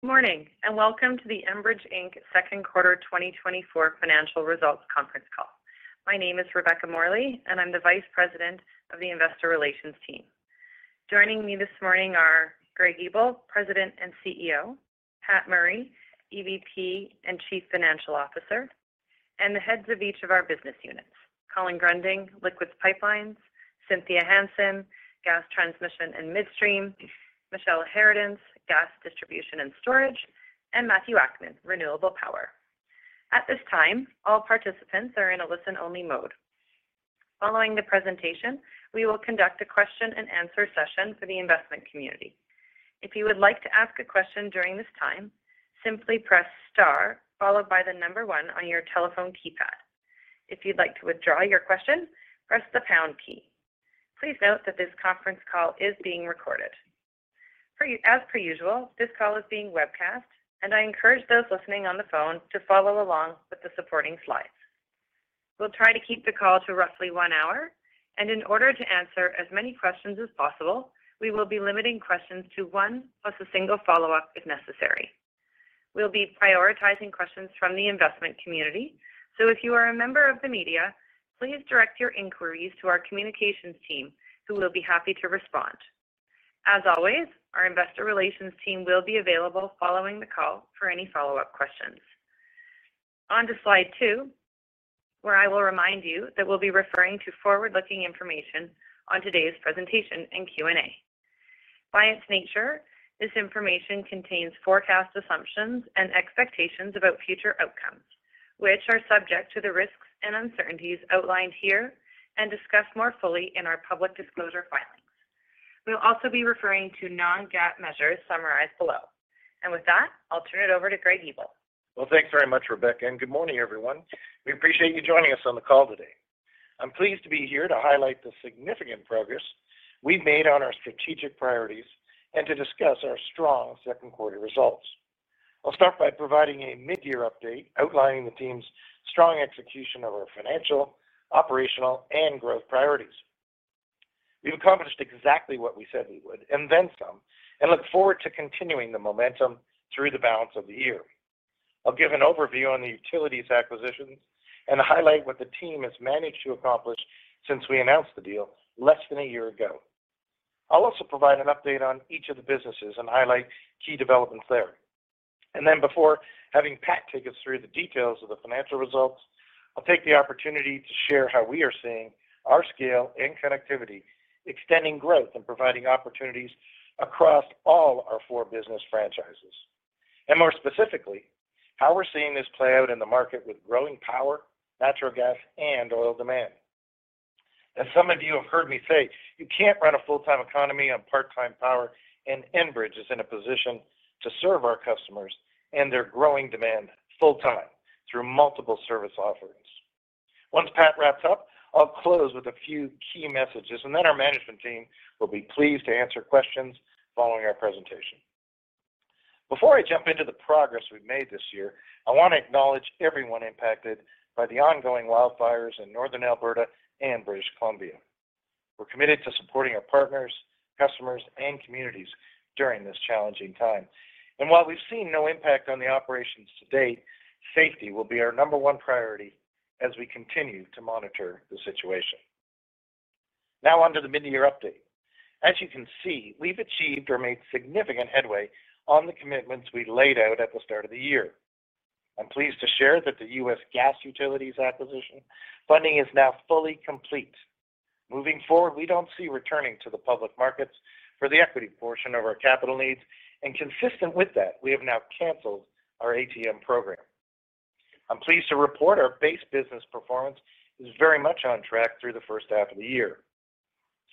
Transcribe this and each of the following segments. Good morning, and welcome to the Enbridge Inc. Q2 2024 Financial Results Conference Call. My name is Rebecca Morley, and I'm the Vice President of the Investor Relations Team. Joining me this morning are Greg Ebel, President and CEO, Pat Murray, EVP and Chief Financial Officer, and the heads of each of our business units: Colin Gruending, Liquids Pipelines, Cynthia Hansen, Gas Transmission and Midstream, Michele Harradence, Gas Distribution and Storage, and Matthew Akman, Renewable Power. At this time, all participants are in a listen-only mode. Following the presentation, we will conduct a question-and-answer session for the investment community. If you would like to ask a question during this time, simply press Star, followed by the number one on your telephone keypad. If you'd like to withdraw your question, press the pound key. Please note that this conference call is being recorded. As per usual, this call is being webcast, and I encourage those listening on the phone to follow along with the supporting slides. We'll try to keep the call to roughly one hour, and in order to answer as many questions as possible, we will be limiting questions to one, plus a single follow-up if necessary. We'll be prioritizing questions from the investment community, so if you are a member of the media, please direct your inquiries to our communications team, who will be happy to respond. As always, our investor relations team will be available following the call for any follow-up questions. On to slide two, where I will remind you that we'll be referring to forward-looking information on today's presentation and Q&A. By its nature, this information contains forecast assumptions and expectations about future outcomes, which are subject to the risks and uncertainties outlined here and discussed more fully in our public disclosure filings. We'll also be referring to non-GAAP measures summarized below. With that, I'll turn it over to Greg Ebel. Well, thanks very much, Rebecca, and good morning, everyone. We appreciate you joining us on the call today. I'm pleased to be here to highlight the significant progress we've made on our strategic priorities and to discuss our strong second-quarter results. I'll start by providing a mid-year update outlining the team's strong execution of our financial, operational, and growth priorities. We've accomplished exactly what we said we would, and then some, and look forward to continuing the momentum through the balance of the year. I'll give an overview on the utilities acquisitions and highlight what the team has managed to accomplish since we announced the deal less than a year ago. I'll also provide an update on each of the businesses and highlight key developments there. And then before having Pat take us through the details of the financial results, I'll take the opportunity to share how we are seeing our scale and connectivity, extending growth and providing opportunities across all our four business franchises, and more specifically, how we're seeing this play out in the market with growing power, natural gas, and oil demand. As some of you have heard me say, you can't run a full-time economy on part-time power, and Enbridge is in a position to serve our customers and their growing demand full-time through multiple service offerings. Once Pat wraps up, I'll close with a few key messages, and then our management team will be pleased to answer questions following our presentation. Before I jump into the progress we've made this year, I want to acknowledge everyone impacted by the ongoing wildfires in Northern Alberta and British Columbia. We're committed to supporting our partners, customers, and communities during this challenging time. And while we've seen no impact on the operations to date, safety will be our number one priority as we continue to monitor the situation. Now, on to the mid-year update. As you can see, we've achieved or made significant headway on the commitments we laid out at the start of the year. I'm pleased to share that the US Gas Utilities acquisition funding is now fully complete. Moving forward, we don't see returning to the public markets for the equity portion of our capital needs, and consistent with that, we have now canceled our ATM program. I'm pleased to report our base business performance is very much on track through the H1 of the year.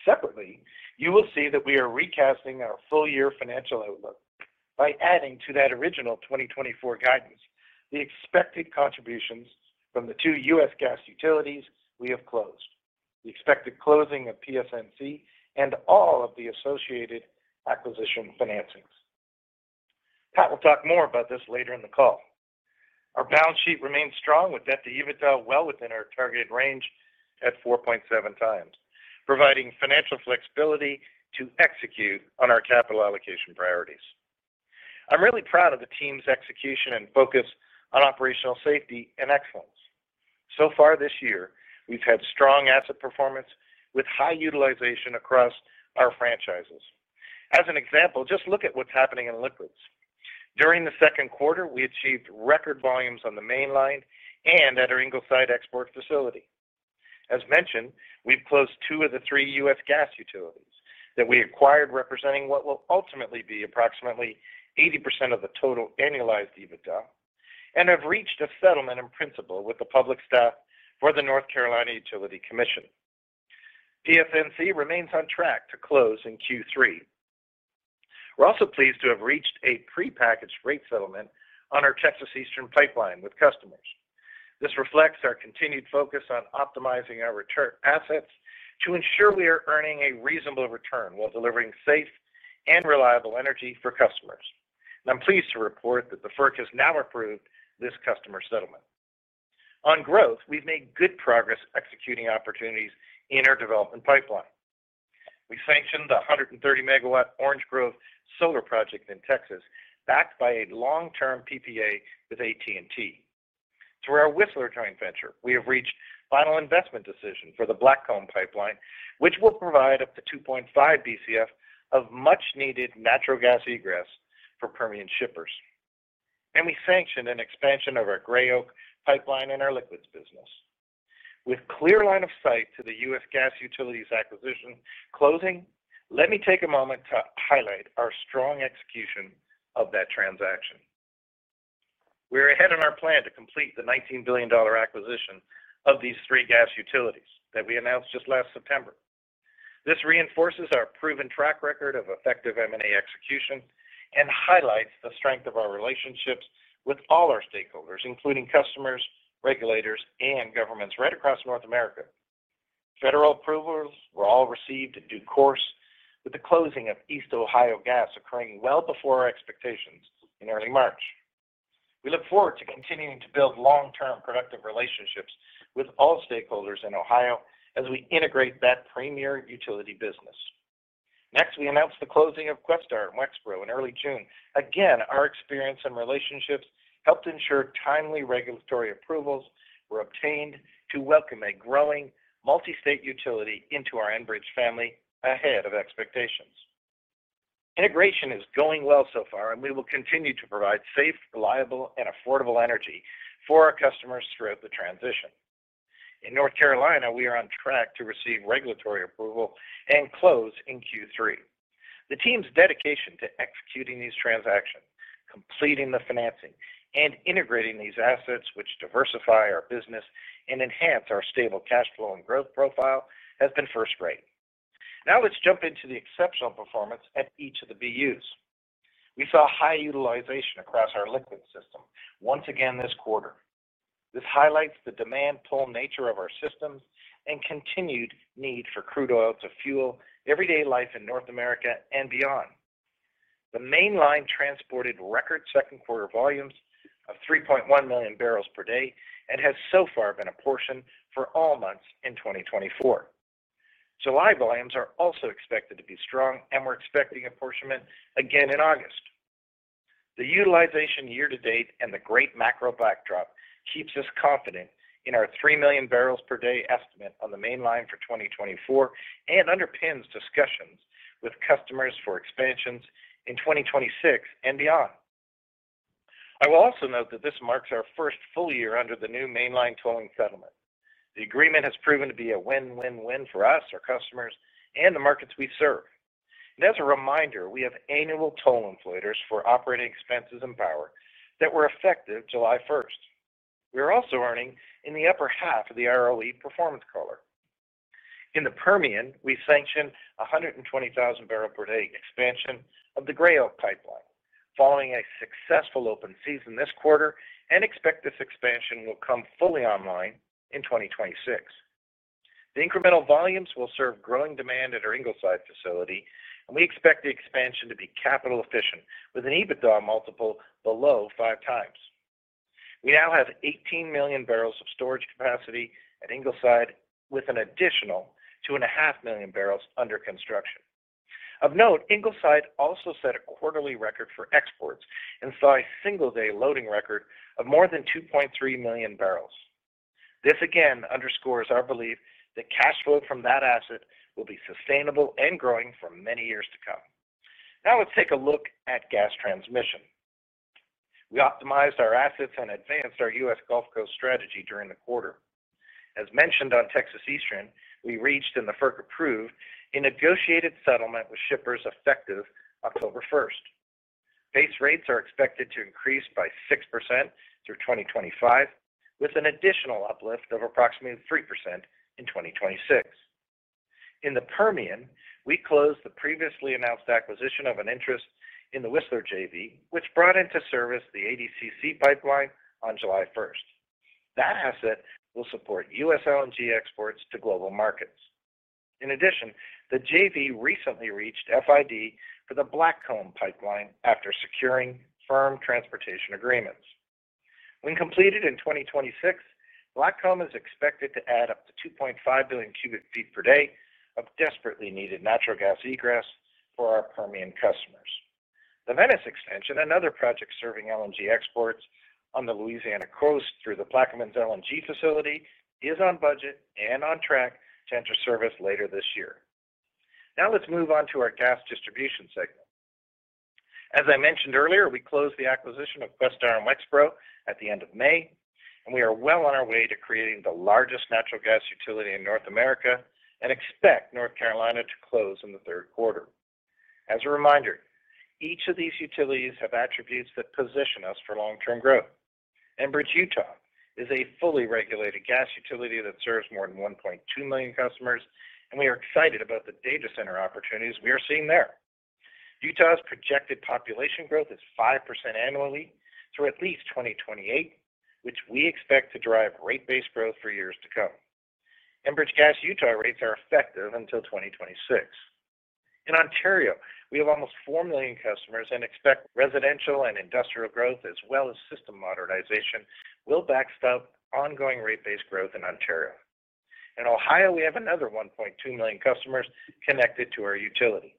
Separately, you will see that we are recasting our full-year financial outlook by adding to that original 2024 guidance, the expected contributions from the two US Gas Utilities we have closed, the expected closing of PSNC, and all of the associated acquisition financings. Pat will talk more about this later in the call. Our balance sheet remains strong, with debt to EBITDA well within our targeted range at 4.7x, providing financial flexibility to execute on our capital allocation priorities. I'm really proud of the team's execution and focus on operational safety and excellence. So far this year, we've had strong asset performance with high utilization across our franchises. As an example, just look at what's happening in liquids. During the Q2, we achieved record volumes on the Mainline and at our Ingleside export facility. As mentioned, we've closed two of the three US Gas Utilities that we acquired, representing what will ultimately be approximately 80% of the total annualized EBITDA, and have reached a settlement in principle with the public staff for the North Carolina Utilities Commission. PSNC remains on track to close in Q3. We're also pleased to have reached a prepackaged rate settlement on our Texas Eastern Transmission Pipeline with customers. This reflects our continued focus on optimizing our return assets to ensure we are earning a reasonable return while delivering safe and reliable energy for customers. I'm pleased to report that the FERC has now approved this customer settlement. On growth, we've made good progress executing opportunities in our development pipeline. We sanctioned the 130-megawatt Orange Grove Solar Project in Texas, backed by a long-term PPA with AT&T. Through our Whistler joint venture, we have reached final investment decision for the Blackcomb Pipeline, which will provide up to 2.5BCF of much-needed natural gas egress for Permian shippers. We sanctioned an expansion of our Gray Oak Pipeline in our liquids business. With clear line of sight to the US Gas Utilities acquisition closing, let me take a moment to highlight our strong execution of that transaction. We are ahead in our plan to complete the $19 billion acquisition of these three gas utilities that we announced just last September. This reinforces our proven track record of effective M&A execution and highlights the strength of our relationships with all our stakeholders, including customers, regulators, and governments right across North America. Federal approvals were all received in due course, with the closing of East Ohio Gas occurring well before our expectations in early March. We look forward to continuing to build long-term, productive relationships with all stakeholders in Ohio as we integrate that premier utility business. Next, we announced the closing of Questar and Wexpro in early June. Again, our experience and relationships helped ensure timely regulatory approvals were obtained to welcome a growing multi-state utility into our Enbridge family ahead of expectations. Integration is going well so far, and we will continue to provide safe, reliable, and affordable energy for our customers throughout the transition. In North Carolina, we are on track to receive regulatory approval and close in Q3. The team's dedication to executing these transactions, completing the financing, and integrating these assets, which diversify our business and enhance our stable cash flow and growth profile, has been first-rate. Now let's jump into the exceptional performance at each of the BUs. We saw high utilization across our liquid system once again this quarter. This highlights the demand-pull nature of our systems and continued need for crude oil to fuel everyday life in North America and beyond. The Mainline transported record Q2 volumes of 3.1 million barrels per day and has so far been a portion for all months in 2024. July volumes are also expected to be strong, and we're expecting apportionment again in August. The utilization year to date and the great macro backdrop keeps us confident in our three million barrels per day estimate on the Mainline for 2024 and underpins discussions with customers for expansions in 2026 and beyond. I will also note that this marks our first full year under the new Mainline Tolling Settlement. The agreement has proven to be a win-win-win for us, our customers, and the markets we serve. As a reminder, we have annual toll inflators for operating expenses and power that were effective 1 July 2024. We are also earning in the upper half of the ROE performance color. In the Permian, we sanctioned a 120,000-barrel-per-day expansion of the Gray Oak Pipeline following a successful open season this quarter and expect this expansion will come fully online in 2026. The incremental volumes will serve growing demand at our Ingleside facility, and we expect the expansion to be capital efficient with an EBITDA multiple below 5x. We now have 18 million barrels of storage capacity at Ingleside, with an additional 2.5 million barrels under construction. Of note, Ingleside also set a quarterly record for exports and saw a single-day loading record of more than 2.3 million barrels. This again underscores our belief that cash flow from that asset will be sustainable and growing for many years to come. Now let's take a look at gas transmission. We optimized our assets and advanced our US Gulf Coast strategy during the quarter. As mentioned on Texas Eastern, we reached, and the FERC approved, a negotiated settlement with shippers effective 1 October 2024. Base rates are expected to increase by 6% through 2025, with an additional uplift of approximately 3% in 2026. In the Permian, we closed the previously announced acquisition of an interest in the Whistler JV, which brought into service the ADCC Pipeline on 1 July 2024. That asset will support US LNG exports to global markets. In addition, the JV recently reached FID for the Blackcomb Pipeline after securing firm transportation agreements. When completed in 2026, Blackcomb is expected to add up to 2.5 BCF per day of desperately needed natural gas egress for our Permian customers. The Venice Extension, another project serving LNG exports on the Louisiana coast through the Plaquemines LNG facility, is on budget and on track to enter service later this year. Now let's move on to our gas distribution segment. As I mentioned earlier, we closed the acquisition of Questar and Wexpro at the end of May, and we are well on our way to creating the largest natural gas utility in North America and expect North Carolina to close in the Q3. As a reminder, each of these utilities have attributes that position us for long-term growth. Enbridge Gas Utah is a fully regulated gas utility that serves more than 1.2 million customers, and we are excited about the data center opportunities we are seeing there. Utah's projected population growth is 5% annually through at least 2028, which we expect to drive rate-based growth for years to come. Enbridge Gas Utah rates are effective until 2026. In Ontario, we have almost 4 million customers and expect residential and industrial growth, as well as system modernization, will backstop ongoing rate-based growth in Ontario. In Ohio, we have another 1.2 million customers connected to our utility.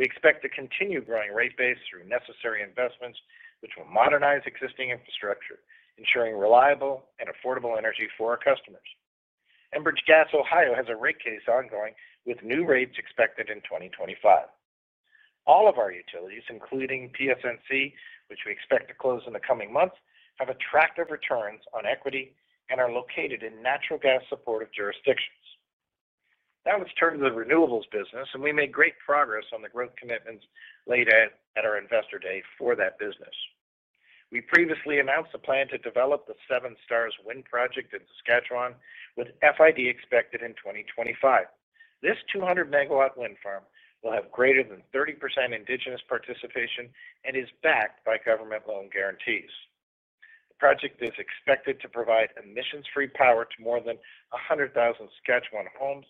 We expect to continue growing rate base through necessary investments, which will modernize existing infrastructure, ensuring reliable and affordable energy for our customers. Enbridge Gas Ohio has a rate case ongoing, with new rates expected in 2025. All of our utilities, including PSNC, which we expect to close in the coming months, have attractive returns on equity and are located in natural gas-supportive jurisdictions. Now, let's turn to the renewables business, and we made great progress on the growth commitments laid out at our Investor Day for that business. We previously announced a plan to develop the Seven Stars Wind Project in Saskatchewan, with FID expected in 2025. This 200-MW wind farm will have greater than 30% Indigenous participation and is backed by government loan guarantees. The project is expected to provide emissions-free power to more than 100,000 Saskatchewan homes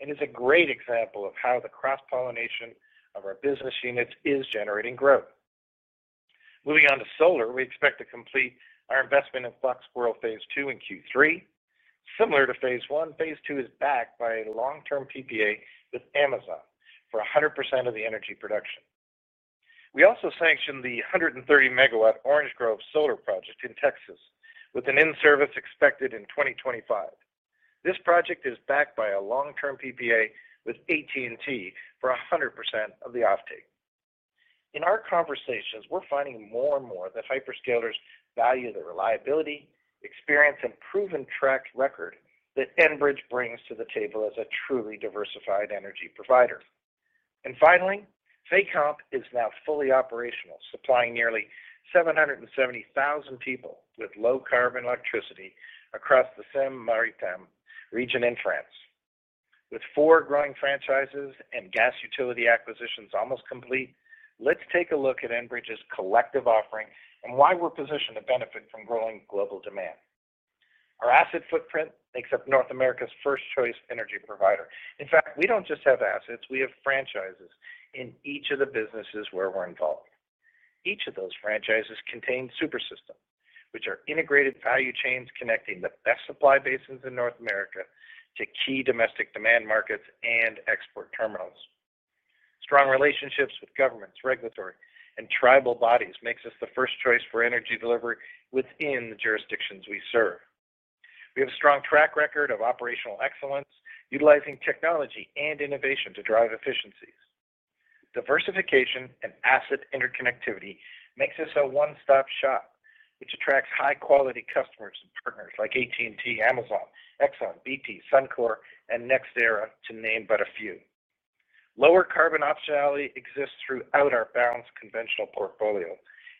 and is a great example of how the cross-pollination of our business units is generating growth. Moving on to solar, we expect to complete our investment in Fox Squirrel Phase Two in Q3. Similar to Phase One, Phase Two is backed by a long-term PPA with Amazon for 100% of the energy production. We also sanctioned the 130-megawatt Orange Grove Solar Project in Texas, with an in-service expected in 2025. This project is backed by a long-term PPA with AT&T for 100% of the offtake. In our conversations, we're finding more and more that hyperscalers value the reliability, experience, and proven track record that Enbridge brings to the table as a truly diversified energy provider. And finally, Fécamp is now fully operational, supplying nearly 770,000 people with low-carbon electricity across the Seine-Maritime region in France. With four growing franchises and gas utility acquisitions almost complete, let's take a look at Enbridge's collective offerings and why we're positioned to benefit from growing global demand. Our asset footprint makes up North America's first-choice energy provider. In fact, we don't just have assets. We have franchises in each of the businesses where we're involved. Each of those franchises contain super systems, which are integrated value chains connecting the best supply basins in North America to key domestic demand markets and export terminals. Strong relationships with governments, regulatory, and tribal bodies makes us the first choice for energy delivery within the jurisdictions we serve. We have a strong track record of operational excellence, utilizing technology and innovation to drive efficiencies. Diversification and asset interconnectivity makes us a one-stop-shop, which attracts high-quality customers and partners like AT&T, Amazon, Exxon, BP, Suncor, and NextEra, to name but a few. Lower-carbon optionality exists throughout our balanced conventional portfolio,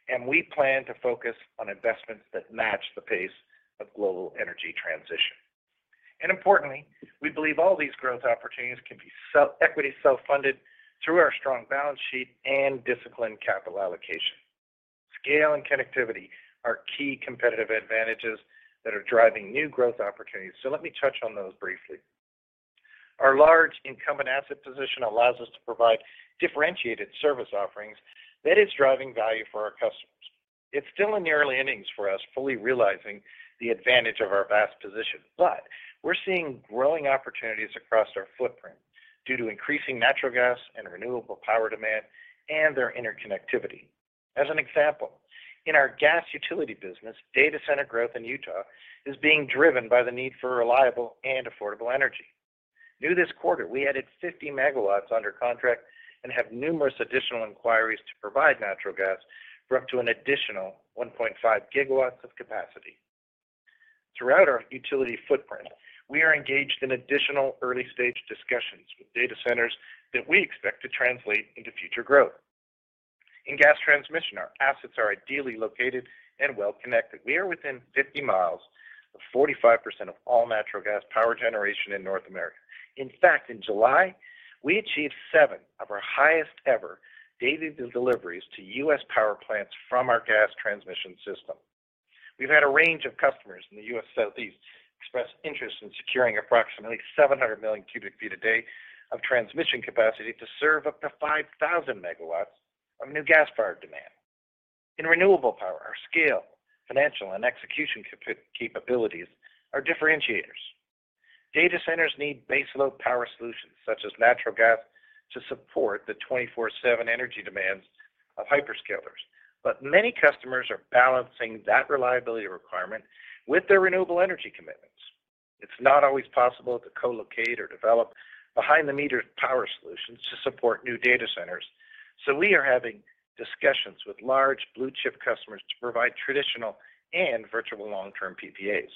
and we plan to focus on investments that match the pace of global energy transition. Importantly, we believe all these growth opportunities can be self-equity self-funded through our strong balance sheet and disciplined capital allocation. Scale and connectivity are key competitive advantages that are driving new growth opportunities. So let me touch on those briefly. Our large incumbent asset position allows us to provide differentiated service offerings that is driving value for our customers. It's still in the early innings for us, fully realizing the advantage of our vast position, but we're seeing growing opportunities across our footprint due to increasing natural gas and renewable power demand and their interconnectivity. As an example, in our gas utility business, data center growth in Utah is being driven by the need for reliable and affordable energy. New this quarter, we added 50MW under contract and have numerous additional inquiries to provide natural gas for up to an additional 1.5GW of capacity. Throughout our utility footprint, we are engaged in additional early-stage discussions with data centers that we expect to translate into future growth. In gas transmission, our assets are ideally located and well connected. We are within 50mi of 45% of all natural gas power generation in North America. In fact, in July, we achieved seven of our highest-ever daily deliveries to US power plants from our gas transmission system. We've had a range of customers in the US Southeast express interest in securing approximately 700MMcf/d of transmission capacity to serve up to 5,000MW of new gas-fired demand. In renewable power, our scale, financial, and execution capabilities are differentiators. Data centers need baseload power solutions, such as natural gas, to support the 24/7 energy demands of hyperscalers, but many customers are balancing that reliability requirement with their renewable energy commitments. It's not always possible to co-locate or develop behind-the-meter power solutions to support new data centers, so we are having discussions with large blue-chip customers to provide traditional and virtual long-term PPAs.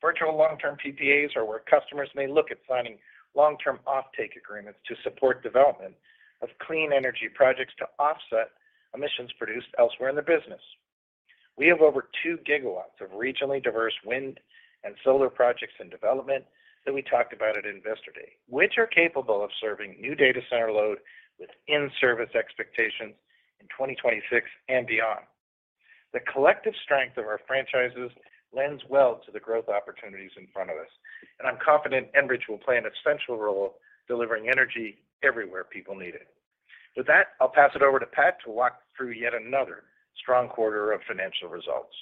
Virtual long-term PPAs are where customers may look at signing long-term offtake agreements to support development of clean energy projects to offset emissions produced elsewhere in their business. We have over 2GW of regionally diverse wind and solar projects in development that we talked about at Investor Day, which are capable of serving new data center load with in-service expectations in 2026 and beyond. The collective strength of our franchises lends well to the growth opportunities in front of us, and I'm confident Enbridge will play an essential role delivering energy everywhere people need it. With that, I'll pass it over to Pat to walk through yet another strong quarter of financial results.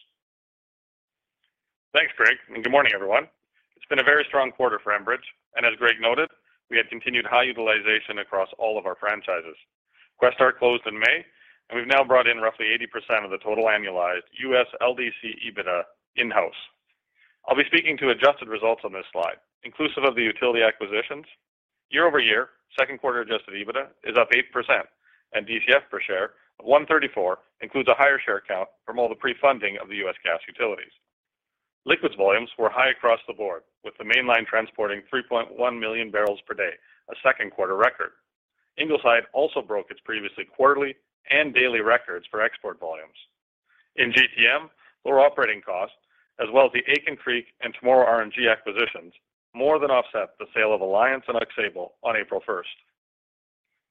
Thanks, Greg, and good morning, everyone. It's been a very strong quarter for Enbridge, and as Greg noted, we had continued high utilization across all of our franchises. Questar closed in May, and we've now brought in roughly 80% of the total annualized US LDC EBITDA in-house. I'll be speaking to adjusted results on this slide, inclusive of the utility acquisitions. Year-over-year, Q2 adjusted EBITDA is up 8%, and DCF per share of 1.34 includes a higher share count from all the pre-funding of the US gas utilities. Liquids volumes were high across the board, with the Mainline transporting 3.1 million bpd, a Q2 record. Ingleside also broke its previous quarterly and daily records for export volumes. In GTM, lower operating costs, as well as the Aiken Creek and Morrow Renewables acquisitions, more than offset the sale of Alliance and Aux Sable on 1 April 2024.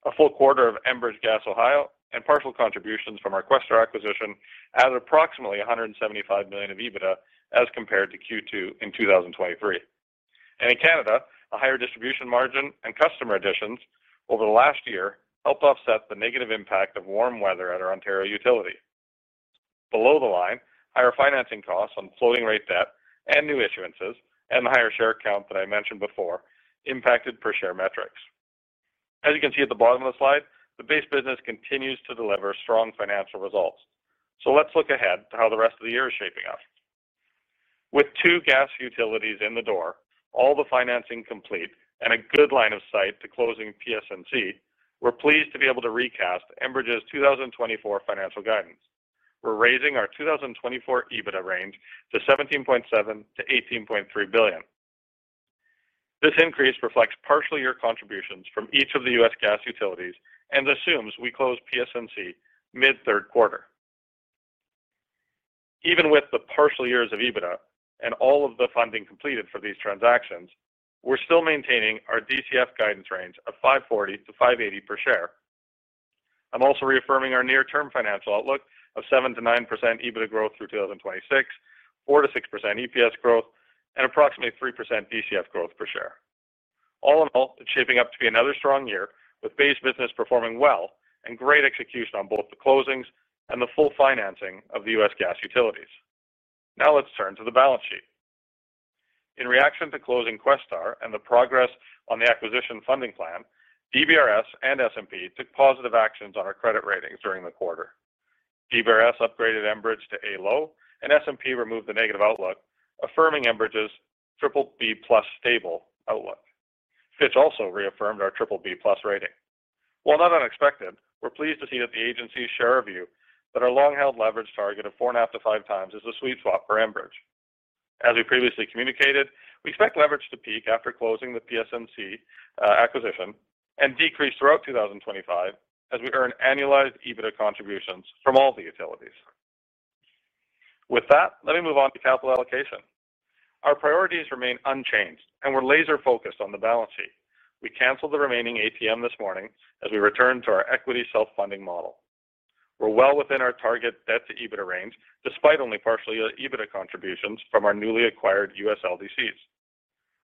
A full quarter of Enbridge Gas Ohio and partial contributions from our Questar acquisition added approximately 175 million of EBITDA as compared to Q2 in 2023. In Canada, a higher distribution margin and customer additions over the last year helped offset the negative impact of warm weather at our Ontario utility. Below the line, higher financing costs on floating rate debt and new issuances, and the higher share count that I mentioned before, impacted per share metrics. As you can see at the bottom of the slide, the base business continues to deliver strong financial results. Let's look ahead to how the rest of the year is shaping up. With two gas utilities in the door, all the financing complete, and a good line of sight to closing PSNC, we're pleased to be able to recast Enbridge's 2024 financial guidance. We're raising our 2024 EBITDA range to 17.7 billion to 18.3 billion. This increase reflects partial year contributions from each of the U.S. gas utilities and assumes we close PSNC mid-Q3. Even with the partial years of EBITDA and all of the funding completed for these transactions, we're still maintaining our DCF guidance range of 5.40 to 5.80 per share. I'm also reaffirming our near-term financial outlook of 7%-9% EBITDA growth through 2026, 4% to 6% EPS growth, and approximately 3% DCF growth per share. All in all, it's shaping up to be another strong year, with base business performing well and great execution on both the closings and the full financing of the US gas utilities. Now let's turn to the balance sheet. In reaction to closing Questar and the progress on the acquisition funding plan, DBRS and S&P took positive actions on our credit ratings during the quarter. DBRS upgraded Enbridge to A-low, and S&P removed the negative outlook, affirming Enbridge's BBB+ stable outlook. Fitch also reaffirmed our BBB+ rating. While not unexpected, we're pleased to see that the agencies share a view that our long-held leverage target of 4.5 to 5x is a sweet spot for Enbridge. As we previously communicated, we expect leverage to peak after closing the PSNC acquisition and decrease throughout 2025 as we earn annualized EBITDA contributions from all the utilities. With that, let me move on to capital allocation. Our priorities remain unchanged, and we're laser-focused on the balance sheet. We canceled the remaining ATM this morning as we return to our equity self-funding model. We're well within our target debt-to-EBITDA range, despite only partial EBITDA contributions from our newly acquired US LDCs.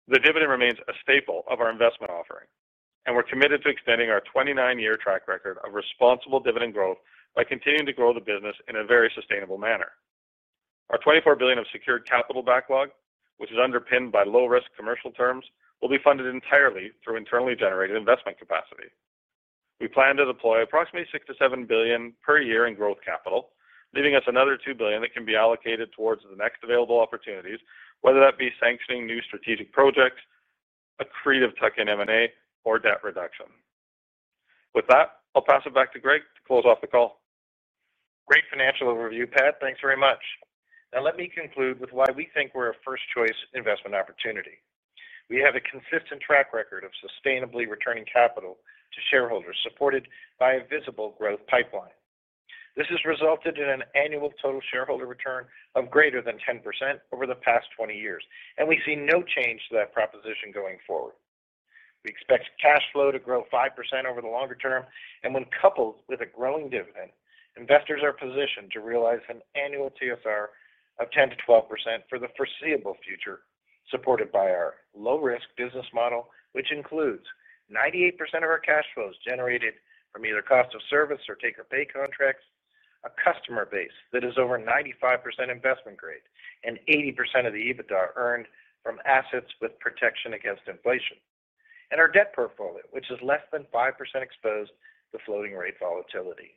The dividend remains a staple of our investment offering, and we're committed to extending our 29-year track record of responsible dividend growth by continuing to grow the business in a very sustainable manner. Our 24 billion of secured capital backlog, which is underpinned by low-risk commercial terms, will be funded entirely through internally generated investment capacity. We plan to deploy approximately 6 billion to 7 billion per year in growth capital, leaving us another 2 billion that can be allocated towards the next available opportunities, whether that be sanctioning new strategic projects, accretive tuck-in M&A, or debt reduction. With that, I'll pass it back to Greg to close off the call. Great financial overview, Pat. Thanks very much. Now, let me conclude with why we think we're a first-choice investment opportunity. We have a consistent track record of sustainably returning capital to shareholders, supported by a visible growth pipeline. This has resulted in an annual total shareholder return of greater than 10% over the past 20 years, and we see no change to that proposition going forward. We expect cash flow to grow 5% over the longer term, and when coupled with a growing dividend, investors are positioned to realize an annual TSR of 10% to 12% for the foreseeable future, supported by our low-risk business model, which includes 98% of our cash flows generated from either cost of service or take-or-pay contracts, a customer base that is over 95% investment grade, and 80% of the EBITDA earned from assets with protection against inflation. Our debt portfolio, which is less than 5% exposed to floating rate volatility.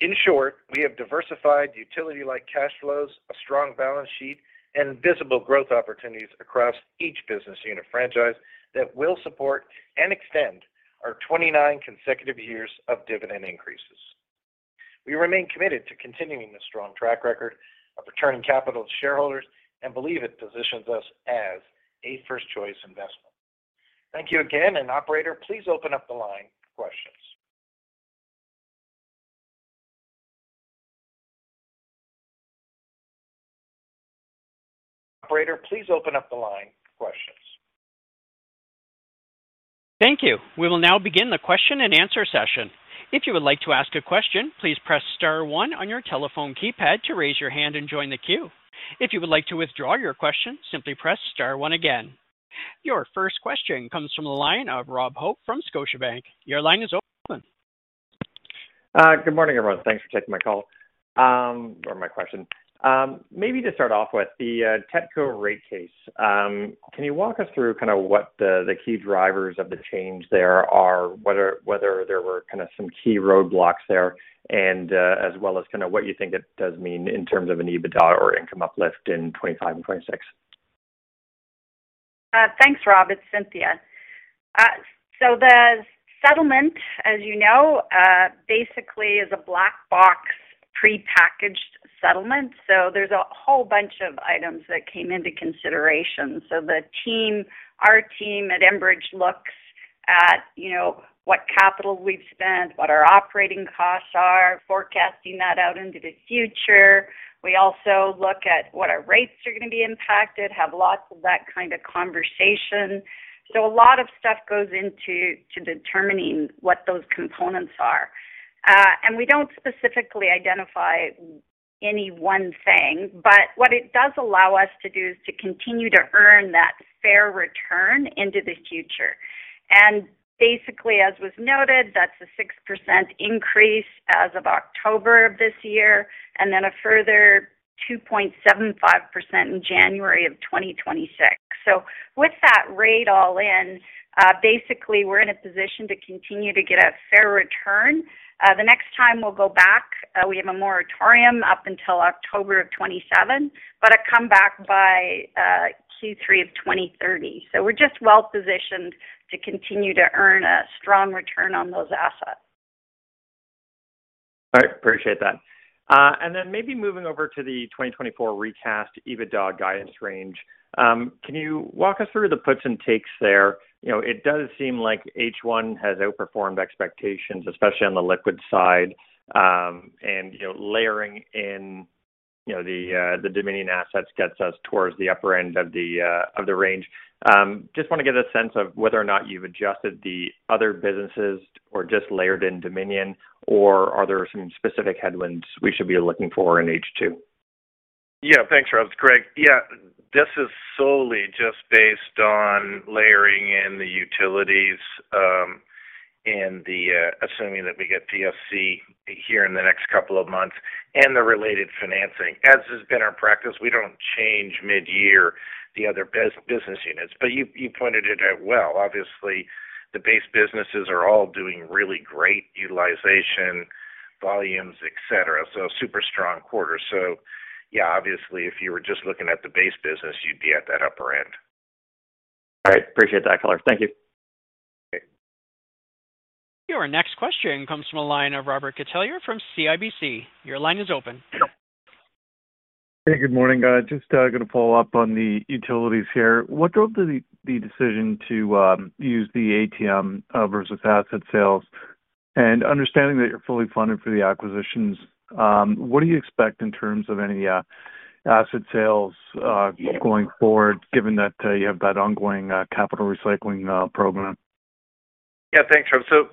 In short, we have diversified utility-like cash flows, a strong balance sheet, and visible growth opportunities across each business unit franchise that will support and extend our 29 consecutive years of dividend increases. We remain committed to continuing this strong track record of returning capital to shareholders and believe it positions us as a first-choice investment. Thank you again, and operator, please open up the line for questions. Operator, please open up the line for questions. Thank you. We will now begin the question and answer session. If you would like to ask a question, please press star one on your telephone keypad to raise your hand and join the queue. If you would like to withdraw your question, simply press star one again. Your first question comes from the line of Rob Hope from Scotiabank. Your line is open. Good morning, everyone. Thanks for taking my call, or my question. Maybe to start off with the TETCO rate case, can you walk us through kind of what the key drivers of the change there are, whether there were kind of some key roadblocks there and, as well as kind of what you think it does mean in terms of an EBITDA or income uplift in 2025 and 2026? Thanks, Rob. It's Cynthia. So the settlement, as you know, basically is a black box, prepackaged settlement. So there's a whole bunch of items that came into consideration. So the team, our team at Enbridge looks at, you know, what capital we've spent, what our operating costs are, forecasting that out into the future. We also look at what our rates are going to be impacted, have lots of that kind of conversation. So a lot of stuff goes into determining what those components are. And we don't specifically identify any one thing, but what it does allow us to do is to continue to earn that fair return into the future. And basically, as was noted, that's a 6% increase as of October of this year, and then a further 2.75% in January of 2026. So with that rate all in, basically we're in a position to continue to get a fair return. The next time we'll go back, we have a moratorium up until October of 2027, but a comeback by Q3 of 2030. So we're just well positioned to continue to earn a strong return on those assets. All right, appreciate that. And then maybe moving over to the 2024 recast EBITDA guidance range, can you walk us through the puts and takes there? You know, it does seem like H1 has outperformed expectations, especially on the liquid side. And, you know, layering in, you know, the Dominion assets gets us towards the upper end of the range. Just want to get a sense of whether or not you've adjusted the other businesses or just layered in Dominion, or are there some specific headwinds we should be looking for in H2? Yeah. Thanks, Rob. It's Greg. Yeah, this is solely just based on layering in the utilities, and assuming that we get PFC here in the next couple of months and the related financing. As has been our practice, we don't change mid-year the other business units, but you, you pointed it out well. Obviously, the base businesses are all doing really great utilization, volumes, et cetera. So super strong quarter. So yeah, obviously, if you were just looking at the base business, you'd be at that upper end. All right, appreciate that color. Thank you. Okay. Your next question comes from a line of Robert Catellier from CIBC. Your line is open. Hey, good morning, guys. Just going to follow up on the utilities here. What drove the decision to use the ATM versus asset sales? And understanding that you're fully funded for the acquisitions, what do you expect in terms of any asset sales going forward, given that you have that ongoing capital recycling program? Yeah, thanks, Rob. So,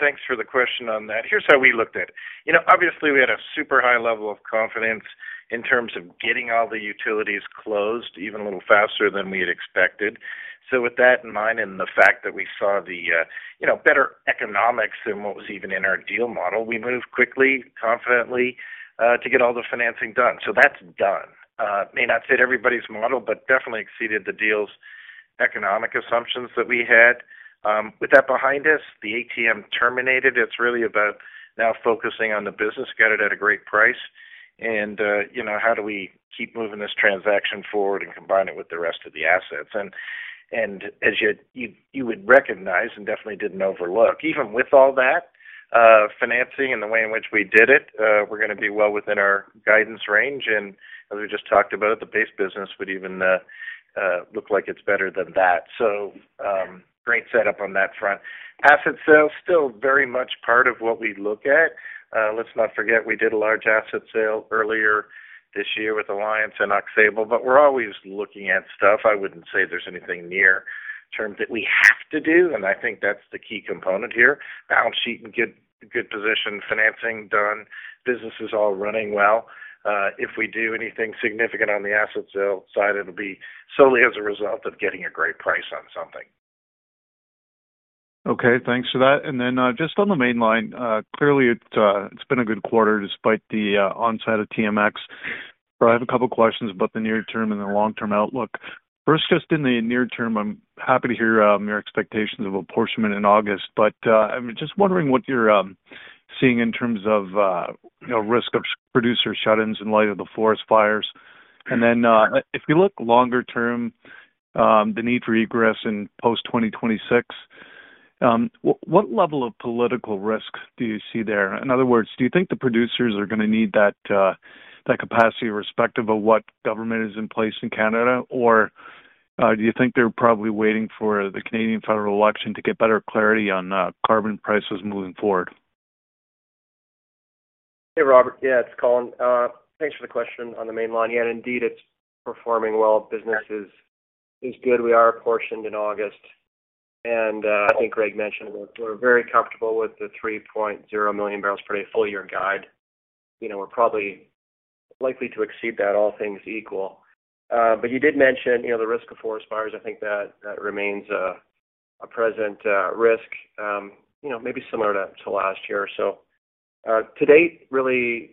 thanks for the question on that. Here's how we looked at it. You know, obviously, we had a super high level of confidence in terms of getting all the utilities closed, even a little faster than we had expected. So with that in mind, and the fact that we saw the, you know, better economics than what was even in our deal model, we moved quickly, confidently, to get all the financing done. So that's done. It may not fit everybody's model, but definitely exceeded the deal's economic assumptions that we had. With that behind us, the ATM terminated. It's really about now focusing on the business, got it at a great price, and, you know, how do we keep moving this transaction forward and combine it with the rest of the assets? As you would recognize and definitely didn't overlook, even with all that financing and the way in which we did it, we're going to be well within our guidance range. And as we just talked about, the base business would even look like it's better than that. So, great setup on that front. Asset sales, still very much part of what we look at. Let's not forget, we did a large asset sale earlier this year with Alliance and Aux Sable, but we're always looking at stuff. I wouldn't say there's anything near term that we have to do, and I think that's the key component here. Balance sheet in good position, financing done, business is all running well. If we do anything significant on the asset sale side, it'll be solely as a result of getting a great price on something. Okay, thanks for that. And then, just on the main line, clearly it's, it's been a good quarter, despite the, onset of TMX. But I have a couple of questions about the near term and the long-term outlook. First, just in the near term, I'm happy to hear, your expectations of apportionment in August, but, I'm just wondering what you're, seeing in terms of, you know, risk of producer shut-ins in light of the forest fires. And then, if you look longer term, the need for egress in post-2026, w-what level of political risk do you see there? In other words, do you think the producers are going to need that, that capacity, irrespective of what government is in place in Canada? Do you think they're probably waiting for the Canadian federal election to get better clarity on carbon prices moving forward?... Hey, Robert. Yeah, it's Colin. Thanks for the question on the Mainline. Yeah, indeed, it's performing well. Business is good. We are apportioned in August, and I think Greg mentioned we're very comfortable with the 3.0 million barrels per day full year guide. You know, we're probably likely to exceed that, all things equal. But you did mention, you know, the risk of forest fires. I think that remains a present risk, you know, maybe similar to last year or so. To date, really,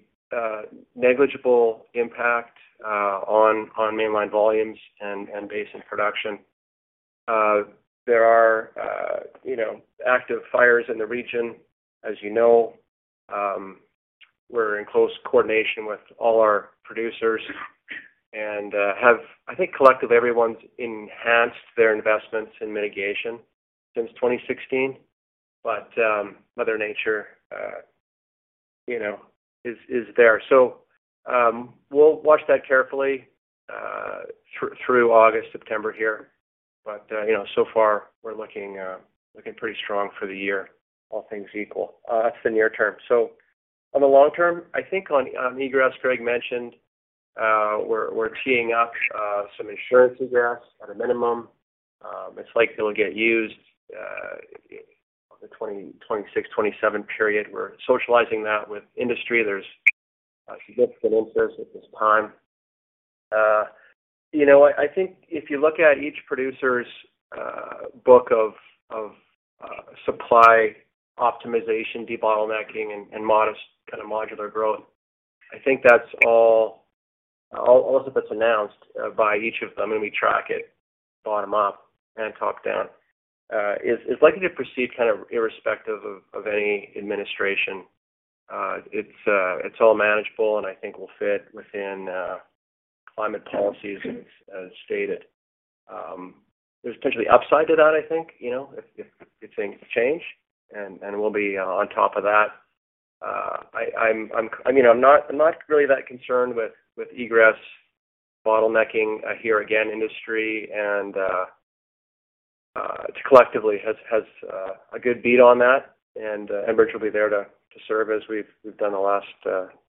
negligible impact on mainline volumes and basin production. There are, you know, active fires in the region, as you know. We're in close coordination with all our producers and have—I think collectively everyone's enhanced their investments in mitigation since 2016, but mother nature, you know, is there. So we'll watch that carefully through August, September here. But you know, so far, we're looking pretty strong for the year, all things equal. That's the near term. So on the long term, I think on egress, Greg mentioned, we're teeing up some insurance against at a minimum. It's likely it'll get used, the 2026-2027 period. We're socializing that with industry. There's significant interest at this time. You know what? I think if you look at each producer's book of supply optimization, debottlenecking and modest kind of modular growth, I think that's all of it's announced by each of them, and we track it bottom up and top down. It's likely to proceed kind of irrespective of any administration. It's all manageable, and I think will fit within climate policies as stated. There's potentially upside to that, I think, you know, if things change, and we'll be on top of that. I mean, I'm not really that concerned with egress bottlenecking here. Again, industry and collectively has a good beat on that, and Enbridge will be there to serve as we've done the last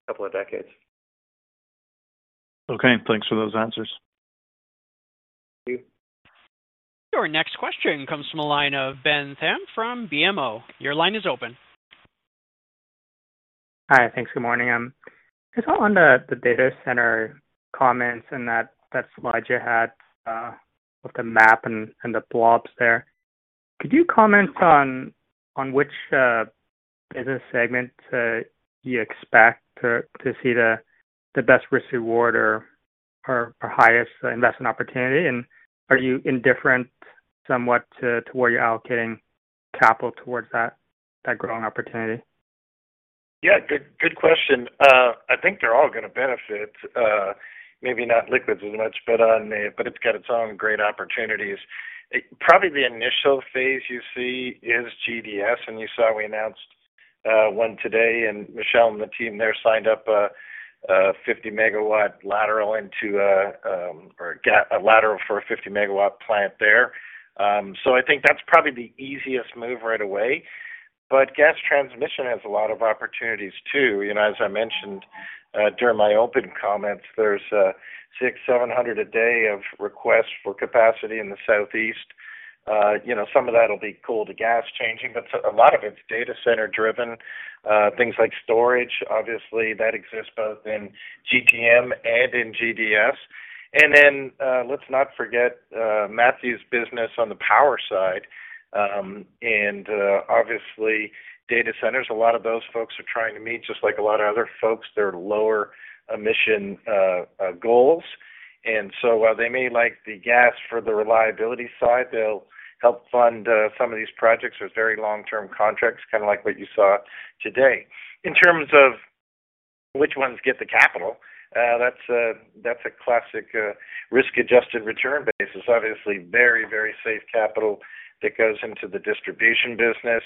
couple of decades. Okay. Thanks for those answers. Thank you. Your next question comes from the line of Ben Pham from BMO. Your line is open. Hi. Thanks. Good morning. Just on the data center comments and that slide you had, with the map and the blobs there. Could you comment on which business segment you expect to see the best risk reward or highest investment opportunity? And are you indifferent somewhat to where you're allocating capital towards that growing opportunity? Yeah, good, good question. I think they're all gonna benefit, maybe not liquids as much, but it's got its own great opportunities. Probably the initial phase you see is GDS, and you saw we announced one today, and Michele and the team there signed up a 50MW lateral into a or a lateral for a 50MW plant there. So I think that's probably the easiest move right away. But gas transmission has a lot of opportunities too. You know, as I mentioned during my opening comments, there's 600 to 700 a day of requests for capacity in the Southeast. You know, some of that will be cool to gas changing, but a lot of it's data center driven. Things like storage, obviously, that exists both in GTM and in GDS. And then, let's not forget Matthew's business on the power side. And obviously, data centers, a lot of those folks are trying to meet, just like a lot of other folks, their lower emission goals. And so while they may like the gas for the reliability side, they'll help fund some of these projects with very long-term contracts, kind of like what you saw today. In terms of which ones get the capital, that's a classic risk-adjusted return basis. Obviously, very, very safe capital that goes into the distribution business.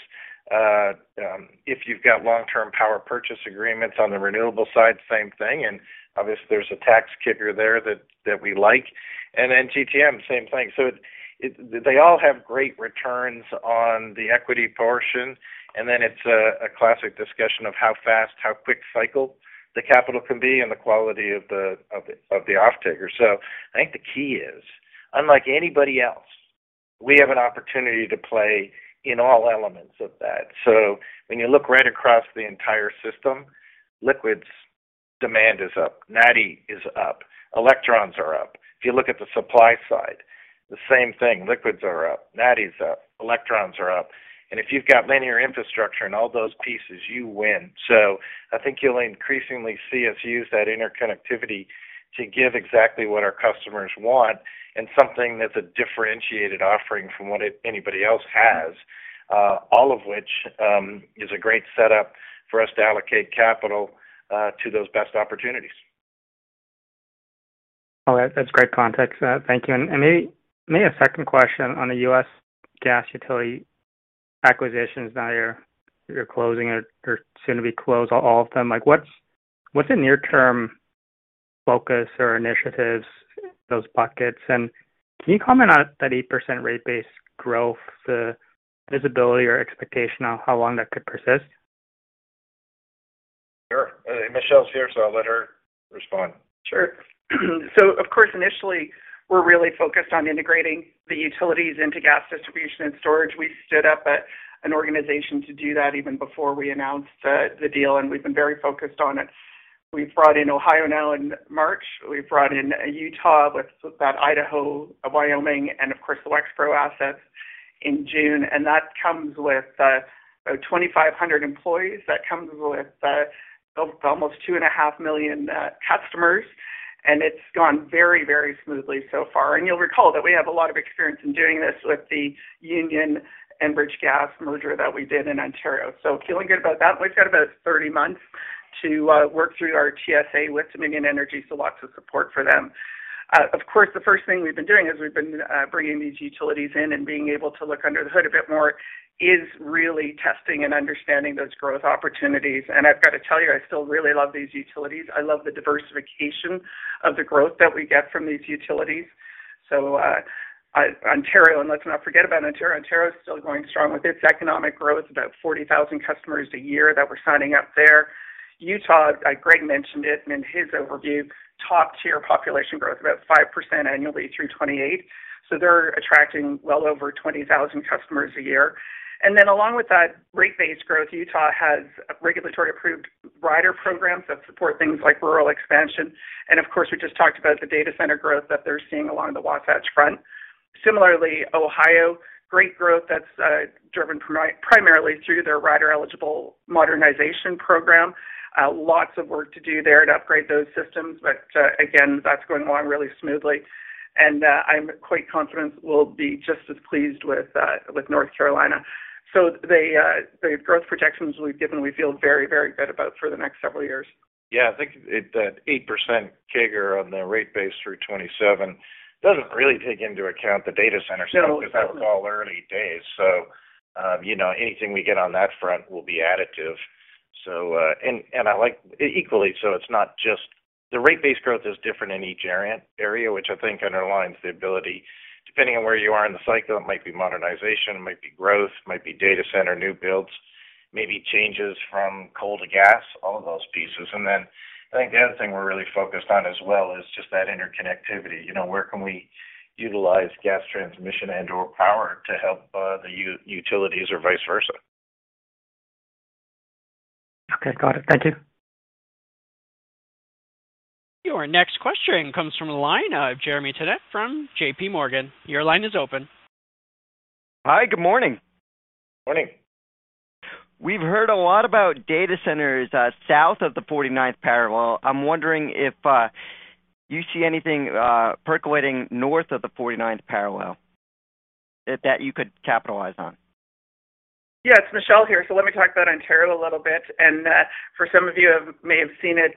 If you've got long-term power purchase agreements on the renewable side, same thing, and obviously there's a tax kicker there that we like. And then GTM, same thing. So they all have great returns on the equity portion, and then it's a classic discussion of how fast, how quick cycle the capital can be and the quality of the offtaker. So I think the key is, unlike anybody else, we have an opportunity to play in all elements of that. So when you look right across the entire system, liquids demand is up, natty is up, electrons are up. If you look at the supply side, the same thing, liquids are up, natty is up, electrons are up, and if you've got linear infrastructure in all those pieces, you win. So I think you'll increasingly see us use that interconnectivity to give exactly what our customers want and something that's a differentiated offering from what anybody else has, all of which is a great setup for us to allocate capital to those best opportunities. Oh, that's great context. Thank you. And maybe a second question on the US gas utility acquisitions that you're closing or soon to be closed, all of them. Like, what's the near-term focus or initiatives, those buckets? And can you comment on that 8% rate base growth, the visibility or expectation on how long that could persist? Sure. Michele’s here, so I’ll let her respond. Sure. So of course, initially, we're really focused on integrating the utilities into gas distribution and storage. We stood up an organization to do that even before we announced the deal, and we've been very focused on it. We've brought in Ohio now in March. We've brought in Utah with that Idaho, Wyoming, and of course, the Wexpro assets in June, and that comes with 2,500 employees, that comes with almost 2.5 million customers, and it's gone very, very smoothly so far. And you'll recall that we have a lot of experience in doing this with the Union and Enbridge Gas merger that we did in Ontario. So feeling good about that. We've got about 30 months to work through our TSA with Dominion Energy, so lots of support for them. Of course, the first thing we've been doing is we've been bringing these utilities in and being able to look under the hood a bit more, is really testing and understanding those growth opportunities. And I've got to tell you, I still really love these utilities. I love the diversification of the growth that we get from these utilities. Ontario, and let's not forget about Ontario. Ontario is still going strong with its economic growth, about 40,000 customers a year that we're signing up there. Utah, Greg mentioned it in his overview, top-tier population growth, about 5% annually through 2028. So they're attracting well over 20,000 customers a year. And then along with that rate-based growth, Utah has regulatory-approved rider programs that support things like rural expansion. And of course, we just talked about the data center growth that they're seeing along the Wasatch Front. Similarly, Ohio, great growth that's driven primarily through their rider-eligible modernization program. Lots of work to do there to upgrade those systems, but again, that's going along really smoothly. And I'm quite confident we'll be just as pleased with North Carolina. So the growth projections we've given, we feel very, very good about for the next several years. Yeah, I think it, that 8% CAGR on the rate base through 2027 doesn't really take into account the data center stuff- No. Because that's all early days. So, you know, anything we get on that front will be additive. So, and I like equally, so it's not just the rate base growth is different in each area, area, which I think underlines the ability, depending on where you are in the cycle, it might be modernization, it might be growth, it might be data center, new builds, maybe changes from coal to gas, all of those pieces. And then I think the other thing we're really focused on as well is just that interconnectivity. You know, where can we utilize gas transmission and/or power to help the utilities or vice versa? Okay, got it. Thank you. Your next question comes from the line of Jeremy Tonet from JPMorgan. Your line is open. Hi, good morning. Morning. We've heard a lot about data centers south of the 49th parallel. I'm wondering if you see anything percolating north of the 49th parallel that you could capitalize on? Yeah, it's Michele here. So let me talk about Ontario a little bit, and for some of you may have seen it,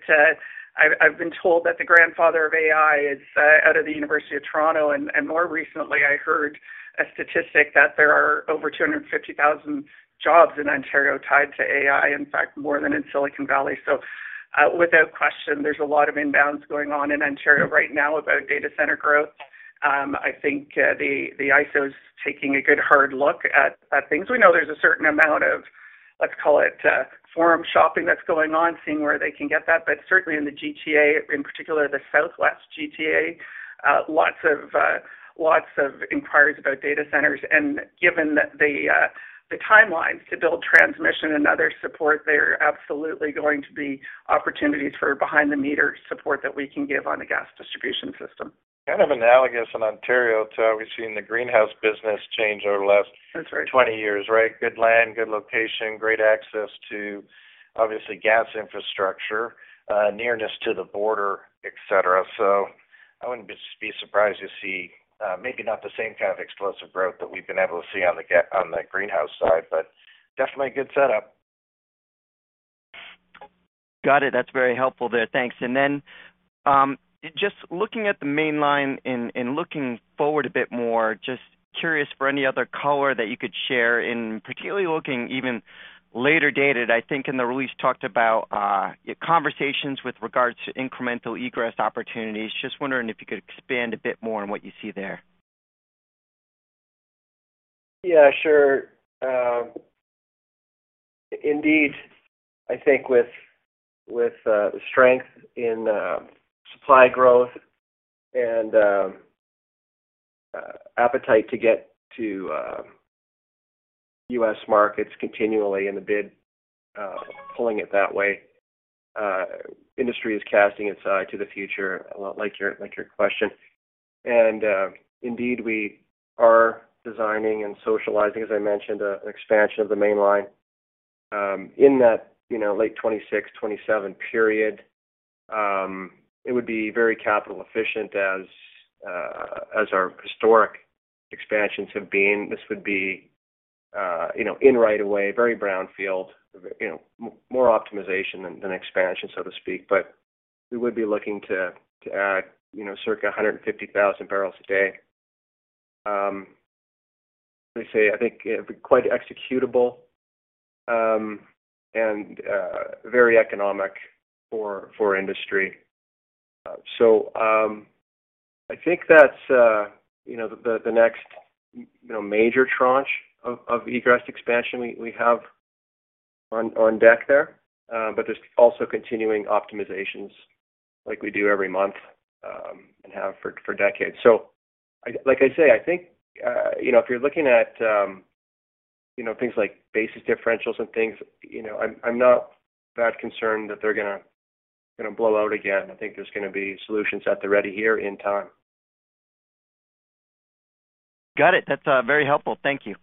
I've been told that the grandfather of AI is out of the University of Toronto, and more recently, I heard a statistic that there are over 250,000 jobs in Ontario tied to AI, in fact, more than in Silicon Valley. So without question, there's a lot of inbounds going on in Ontario right now about data center growth. I think the ISO is taking a good, hard look at things. We know there's a certain amount of, let's call it, forum shopping that's going on, seeing where they can get that. But certainly in the GTA, in particular, the Southwest GTA, lots of inquiries about data centers. Given the timelines to build transmission and other support, there are absolutely going to be opportunities for behind-the-meter support that we can give on the gas distribution system. Kind of analogous in Ontario to how we've seen the greenhouse business change over the last- That's right. - 20 years, right? Good land, good location, great access to, obviously, gas infrastructure, nearness to the border, et cetera. So I wouldn't be surprised to see, maybe not the same kind of explosive growth that we've been able to see on the greenhouse side, but definitely a good setup. Got it. That's very helpful there. Thanks. And then, just looking at the Mainline and, and looking forward a bit more, just curious for any other color that you could share, and particularly looking even later dated, I think in the release, talked about, conversations with regards to incremental egress opportunities. Just wondering if you could expand a bit more on what you see there. Yeah, sure. Indeed, I think with the strength in supply growth and appetite to get to U.S. markets continually in a bid pulling it that way, industry is casting its eye to the future, a lot like your question. And indeed, we are designing and socializing, as I mentioned, an expansion of the Mainline in that, you know, late 2026, 2027 period. It would be very capital efficient as our historic expansions have been. This would be, you know, in right of way, very brownfield, you know, more optimization than expansion, so to speak. But we would be looking to add, you know, circa 150,000BPD. Let me say, I think it'd be quite executable and very economic for industry. So, I think that's, you know, the next, you know, major tranche of egress expansion we have on deck there. But there's also continuing optimizations like we do every month and have for decades. So like I say, I think, you know, if you're looking at, you know, things like basis differentials and things, you know, I'm not that concerned that they're gonna blow out again. I think there's gonna be solutions at the ready here in time. Got it. That's very helpful. Thank you.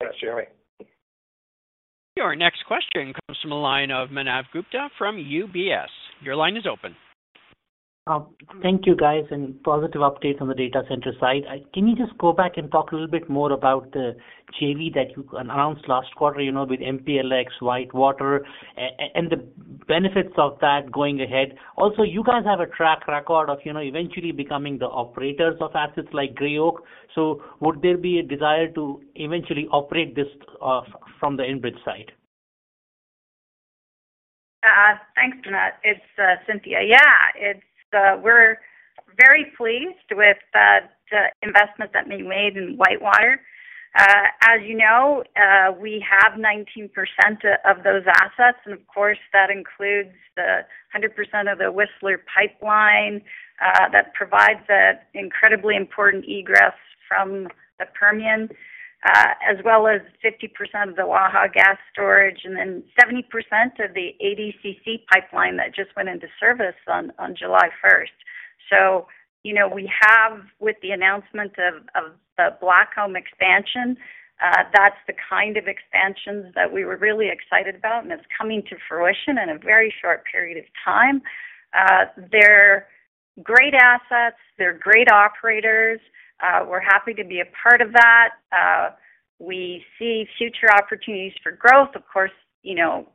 Yeah, Jeremy. Our next question comes from the line of Manav Gupta from UBS. Your line is open. Thank you, guys, and positive updates on the data center side. Can you just go back and talk a little bit more about the JV that you announced last quarter, you know, with MPLX, WhiteWater, and the benefits of that going ahead? Also, you guys have a track record of, you know, eventually becoming the operators of assets like Gray Oak. So would there be a desire to eventually operate this from the Enbridge side? Thanks, Manav. It's Cynthia. Yeah, it's—we're very pleased with the investment that we made in WhiteWater. As you know, we have 19% of those assets, and of course, that includes the 100% of the Whistler Pipeline that provides the incredibly important egress from the Permian, as well as 50% of the Waha Gas Storage, and then 70% of the ADCC Pipeline that just went into service on 1 July 2024. So you know, we have, with the announcement of the Blackcomb expansion, that's the kind of expansions that we were really excited about, and it's coming to fruition in a very short period of time. They're great assets, they're great operators. We're happy to be a part of that. We see future opportunities for growth, of course, you know,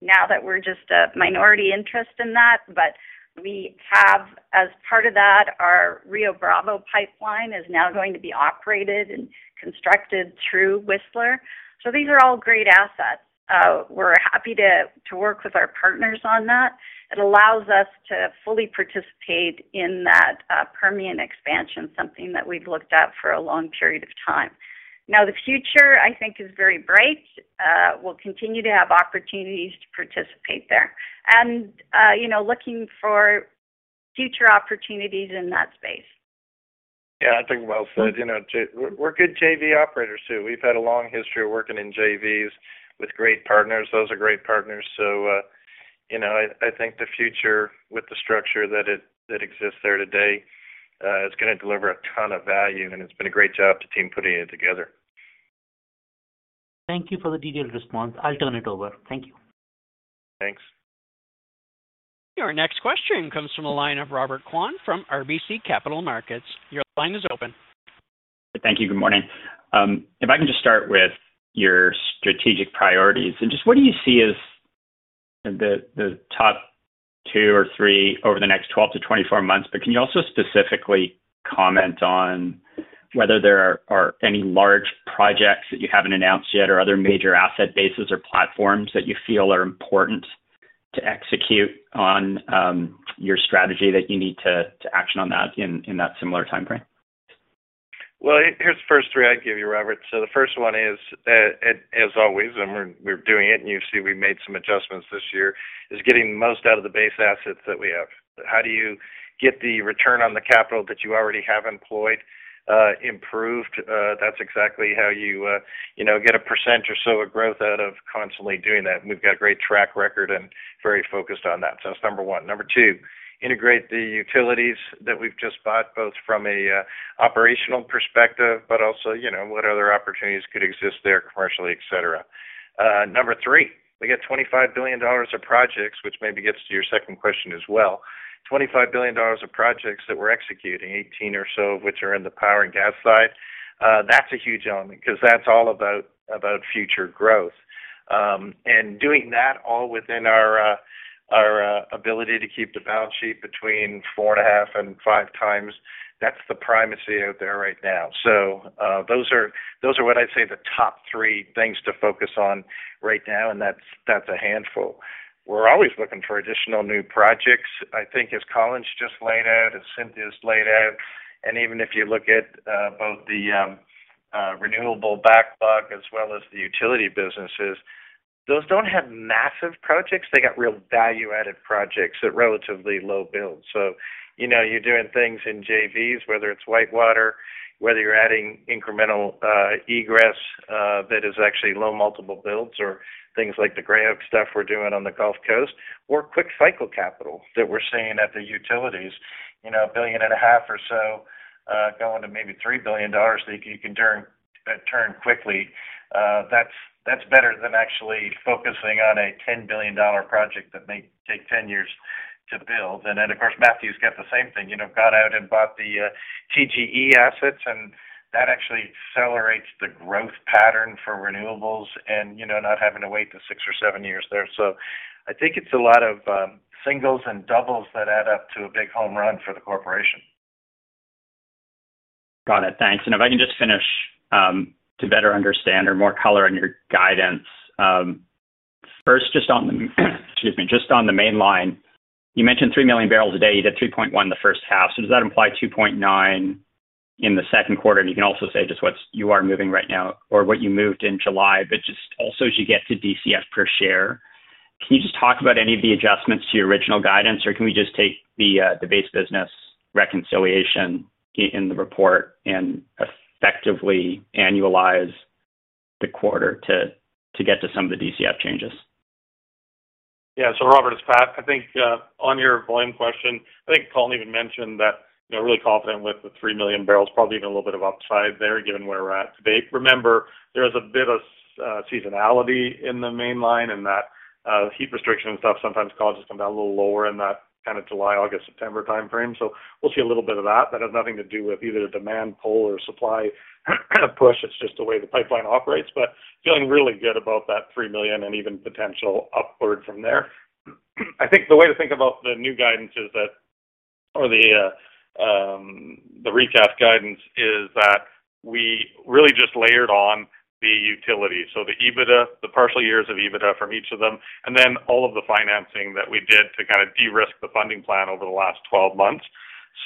now that we're just a minority interest in that. But we have, as part of that, our Rio Bravo Pipeline is now going to be operated and constructed through Whistler. So these are all great assets. We're happy to work with our partners on that. It allows us to fully participate in that, Permian expansion, something that we've looked at for a long period of time. Now, the future, I think, is very bright. We'll continue to have opportunities to participate there and, you know, looking for future opportunities in that space. Yeah, I think well said. You know, J... We're good JV operators, too. We've had a long history of working in JVs with great partners. Those are great partners. So, you know, I think the future with the structure that it—that exists there today is gonna deliver a ton of value, and it's been a great job to team putting it together. Thank you for the detailed response. I'll turn it over. Thank you. Thanks. Our next question comes from the line of Robert Kwan from RBC Capital Markets. Your line is open. Thank you. Good morning. If I can just start with your strategic priorities and just what do you see as the top two or three over the next 12 to 24 months, but can you also specifically comment on whether there are any large projects that you haven't announced yet or other major asset bases or platforms that you feel are important to execute on your strategy that you need to action on that in that similar timeframe? Well, here's the first three I'd give you, Robert. So the first one is, as always, and we're doing it, and you see we've made some adjustments this year, is getting the most out of the base assets that we have. How do you get the return on the capital that you already have employed improved? That's exactly how you, you know, get a percent or so of growth out of constantly doing that. And we've got a great track record and very focused on that. So that's number one. Number two, integrate the utilities that we've just bought, both from a operational perspective, but also, you know, what other opportunities could exist there commercially, et cetera. Number three, we got $25 billion of projects, which maybe gets to your second question as well. $25 billion of projects that we're executing, 18 or so, which are in the power and gas side. That's a huge element because that's all about, about future growth. And doing that all within our ability to keep the balance sheet between 4.5 and 5x, that's the primacy out there right now. So, those are what I'd say the top three things to focus on right now, and that's a handful. We're always looking for additional new projects. I think as Colin's just laid out, as Cynthia's laid out, and even if you look at both the renewable backlog as well as the utility businesses, those don't have massive projects. They got real value-added projects at relatively low builds. So you know, you're doing things in JVs, whether it's WhiteWater, whether you're adding incremental, egress, that is actually low multiple builds or things like the Gray Oak stuff we're doing on the Gulf Coast, or quick cycle capital that we're seeing at the utilities. You know, $1.5 billion or so going to maybe $3 billion that you can turn quickly. That's better than actually focusing on a $10 billion project that may take 10 years to build. And then, of course, Matthew's got the same thing. You know, got out and bought the TGE assets, and that actually accelerates the growth pattern for renewables and, you know, not having to wait the six or seven years there. So-... I think it's a lot of singles and doubles that add up to a big home run for the corporation. Got it. Thanks. And if I can just finish to better understand or more color on your guidance. First, just on the, excuse me, just on the Mainline, you mentioned 3 million BPD. You did 3.1 the first half. So does that imply 2.9 in the Q2? And you can also say just what you are moving right now or what you moved in July, but just also as you get to DCF per share, can you just talk about any of the adjustments to your original guidance, or can we just take the base business reconciliation in the report and effectively annualize the quarter to get to some of the DCF changes? Yeah. So Robert, it's Pat. I think on your volume question, I think Colin even mentioned that, you know, really confident with the 3 million BPD, probably even a little bit of upside there, given where we're at today. Remember, there is a bit of seasonality in the Mainline and that heat restriction and stuff sometimes causes them down a little lower in that kind of July, August, September timeframe. So we'll see a little bit of that. That has nothing to do with either the demand pull or supply push. It's just the way the pipeline operates, but feeling really good about that three million and even potential upward from there. I think the way to think about the new guidance is that or the recast guidance, is that we really just layered on the utility. So the EBITDA, the partial years of EBITDA from each of them, and then all of the financing that we did to kind of de-risk the funding plan over the last 12 months.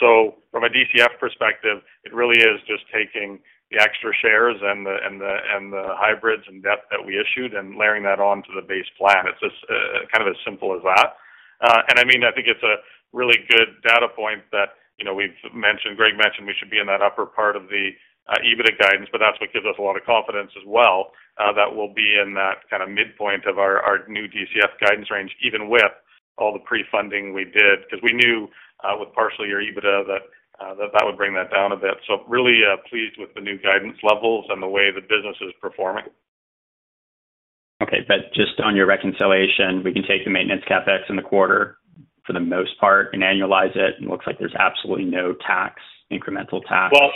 So from a DCF perspective, it really is just taking the extra shares and the hybrids and debt that we issued and layering that on to the base plan. It's just kind of as simple as that. And I mean, I think it's a really good data point that, you know, we've mentioned, Greg mentioned we should be in that upper part of the EBITDA guidance, but that's what gives us a lot of confidence as well that we'll be in that kind of midpoint of our new DCF guidance range, even with all the pre-funding we did. Because we knew, with partial year EBITDA, that, that would bring that down a bit. So really, pleased with the new guidance levels and the way the business is performing. Okay, but just on your reconciliation, we can take the maintenance CapEx in the quarter for the most part and annualize it, and it looks like there's absolutely no tax, incremental tax- Well-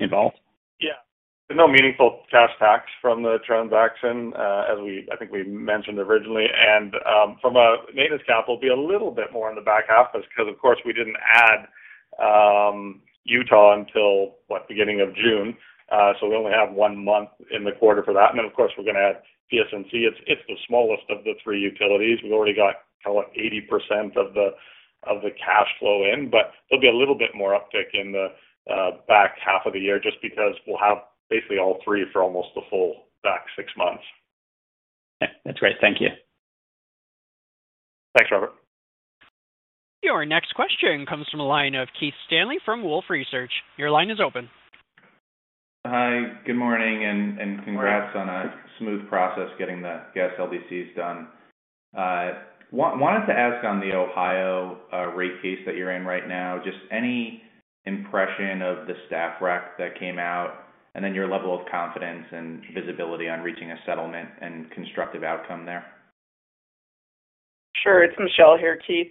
-involved? Yeah. No meaningful cash tax from the transaction, as we—I think we mentioned originally, and from a maintenance cap, will be a little bit more in the back half, just because, of course, we didn't add Utah until, what, beginning of June. So we only have one month in the quarter for that. And then, of course, we're going to add PSNC. It's the smallest of the three utilities. We've already got, what, 80% of the cash flow in, but there'll be a little bit more uptick in the back half of the year just because we'll have basically all three for almost the full back six months. That's great. Thank you. Thanks, Robert. Your next question comes from the line of Keith Stanley from Wolfe Research. Your line is open. Hi, good morning. Good morning. Congrats on a smooth process getting the gas LDCs done. Wanted to ask on the Ohio rate case that you're in right now, just any impression of the staff rec that came out, and then your level of confidence and visibility on reaching a settlement and constructive outcome there? Sure. It's Michele here, Keith.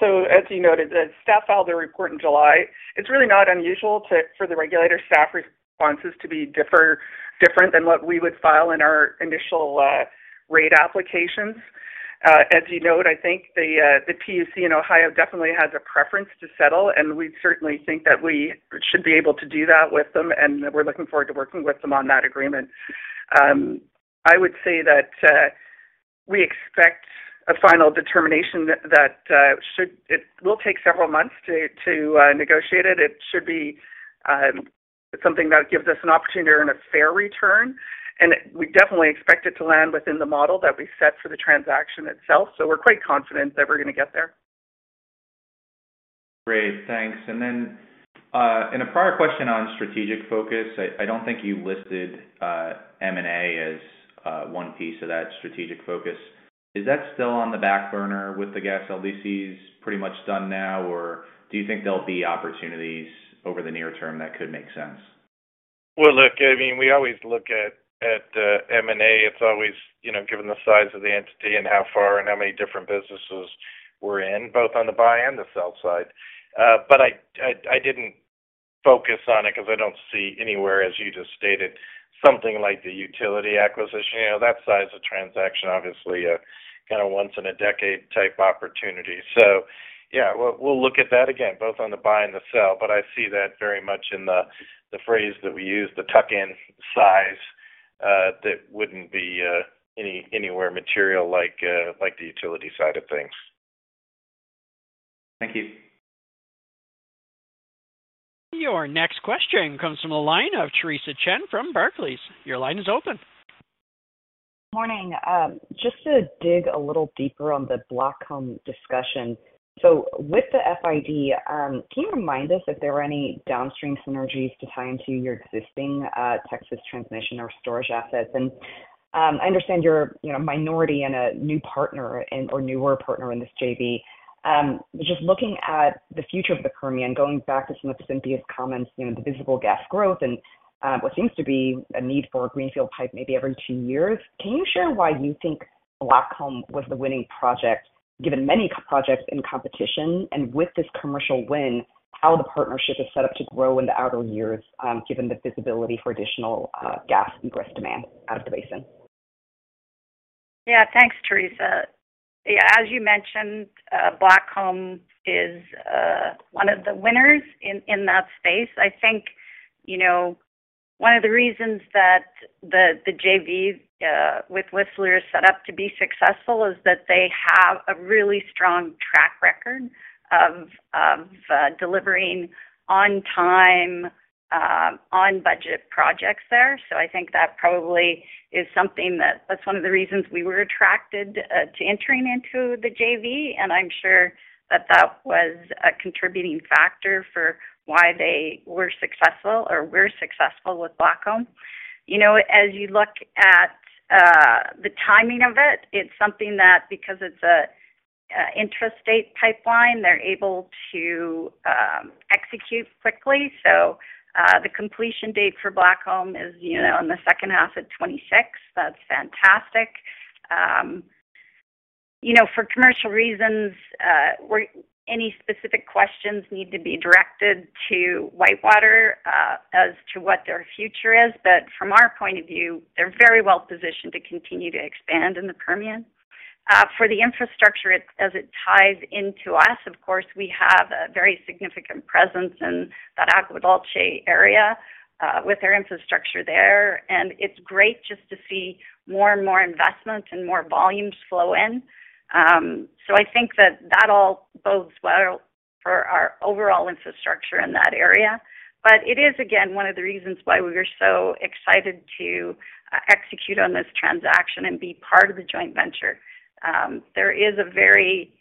So as you noted, the staff filed their report in July. It's really not unusual for the regulator staff responses to be different than what we would file in our initial rate applications. As you note, I think the PUC in Ohio definitely has a preference to settle, and we certainly think that we should be able to do that with them, and we're looking forward to working with them on that agreement. I would say that we expect a final determination that should. It will take several months to negotiate it. It should be something that gives us an opportunity to earn a fair return, and we definitely expect it to land within the model that we set for the transaction itself. So we're quite confident that we're going to get there. Great, thanks. And then, in a prior question on strategic focus, I don't think you listed M&A as one piece of that strategic focus. Is that still on the back burner with the gas LDCs pretty much done now, or do you think there'll be opportunities over the near term that could make sense? Well, look, I mean, we always look at M&A. It's always, you know, given the size of the entity and how far and how many different businesses we're in, both on the buy and the sell side. But I didn't focus on it because I don't see anywhere, as you just stated, something like the utility acquisition. You know, that size of transaction, obviously a kind of once-in-a-decade type opportunity. So yeah, we'll look at that again, both on the buy and the sell, but I see that very much in the phrase that we use, the tuck-in size, that wouldn't be anywhere material like the utility side of things. Thank you. Your next question comes from the line of Theresa Chen from Barclays. Your line is open. Morning. Just to dig a little deeper on the Blackcomb discussion. So with the FID, can you remind us if there were any downstream synergies to tie into your existing, Texas transmission or storage assets? And, I understand you're, you know, minority and a new partner and or newer partner in this JV. Just looking at the future of the Permian, going back to some of Cynthia's comments, you know, the visible gas growth and, what seems to be a need for a greenfield pipe maybe every two years. Can you share why you think Blackcomb was the winning project, given many projects in competition, and with this commercial win, how the partnership is set up to grow in the outer years, given the visibility for additional, gas and growth demand out of the basin?... Yeah, thanks, Theresa. As you mentioned, Blackcomb is one of the winners in that space. I think, you know, one of the reasons that the JV with Whistler is set up to be successful is that they have a really strong track record of delivering on time, on budget projects there. So I think that probably is something that, that's one of the reasons we were attracted to entering into the JV, and I'm sure that that was a contributing factor for why they were successful or we're successful with Blackcomb. You know, as you look at the timing of it, it's something that because it's a intrastate pipeline, they're able to execute quickly. So, the completion date for Blackcomb is, you know, in the H2 of 2026. That's fantastic. You know, for commercial reasons, any specific questions need to be directed to WhiteWater, as to what their future is. But from our point of view, they're very well positioned to continue to expand in the Permian. For the infrastructure, as it ties into us, of course, we have a very significant presence in that Agua Dulce area, with our infrastructure there, and it's great just to see more and more investment and more volumes flow in. So I think that that all bodes well for our overall infrastructure in that area. But it is, again, one of the reasons why we were so excited to execute on this transaction and be part of the joint venture. There is a very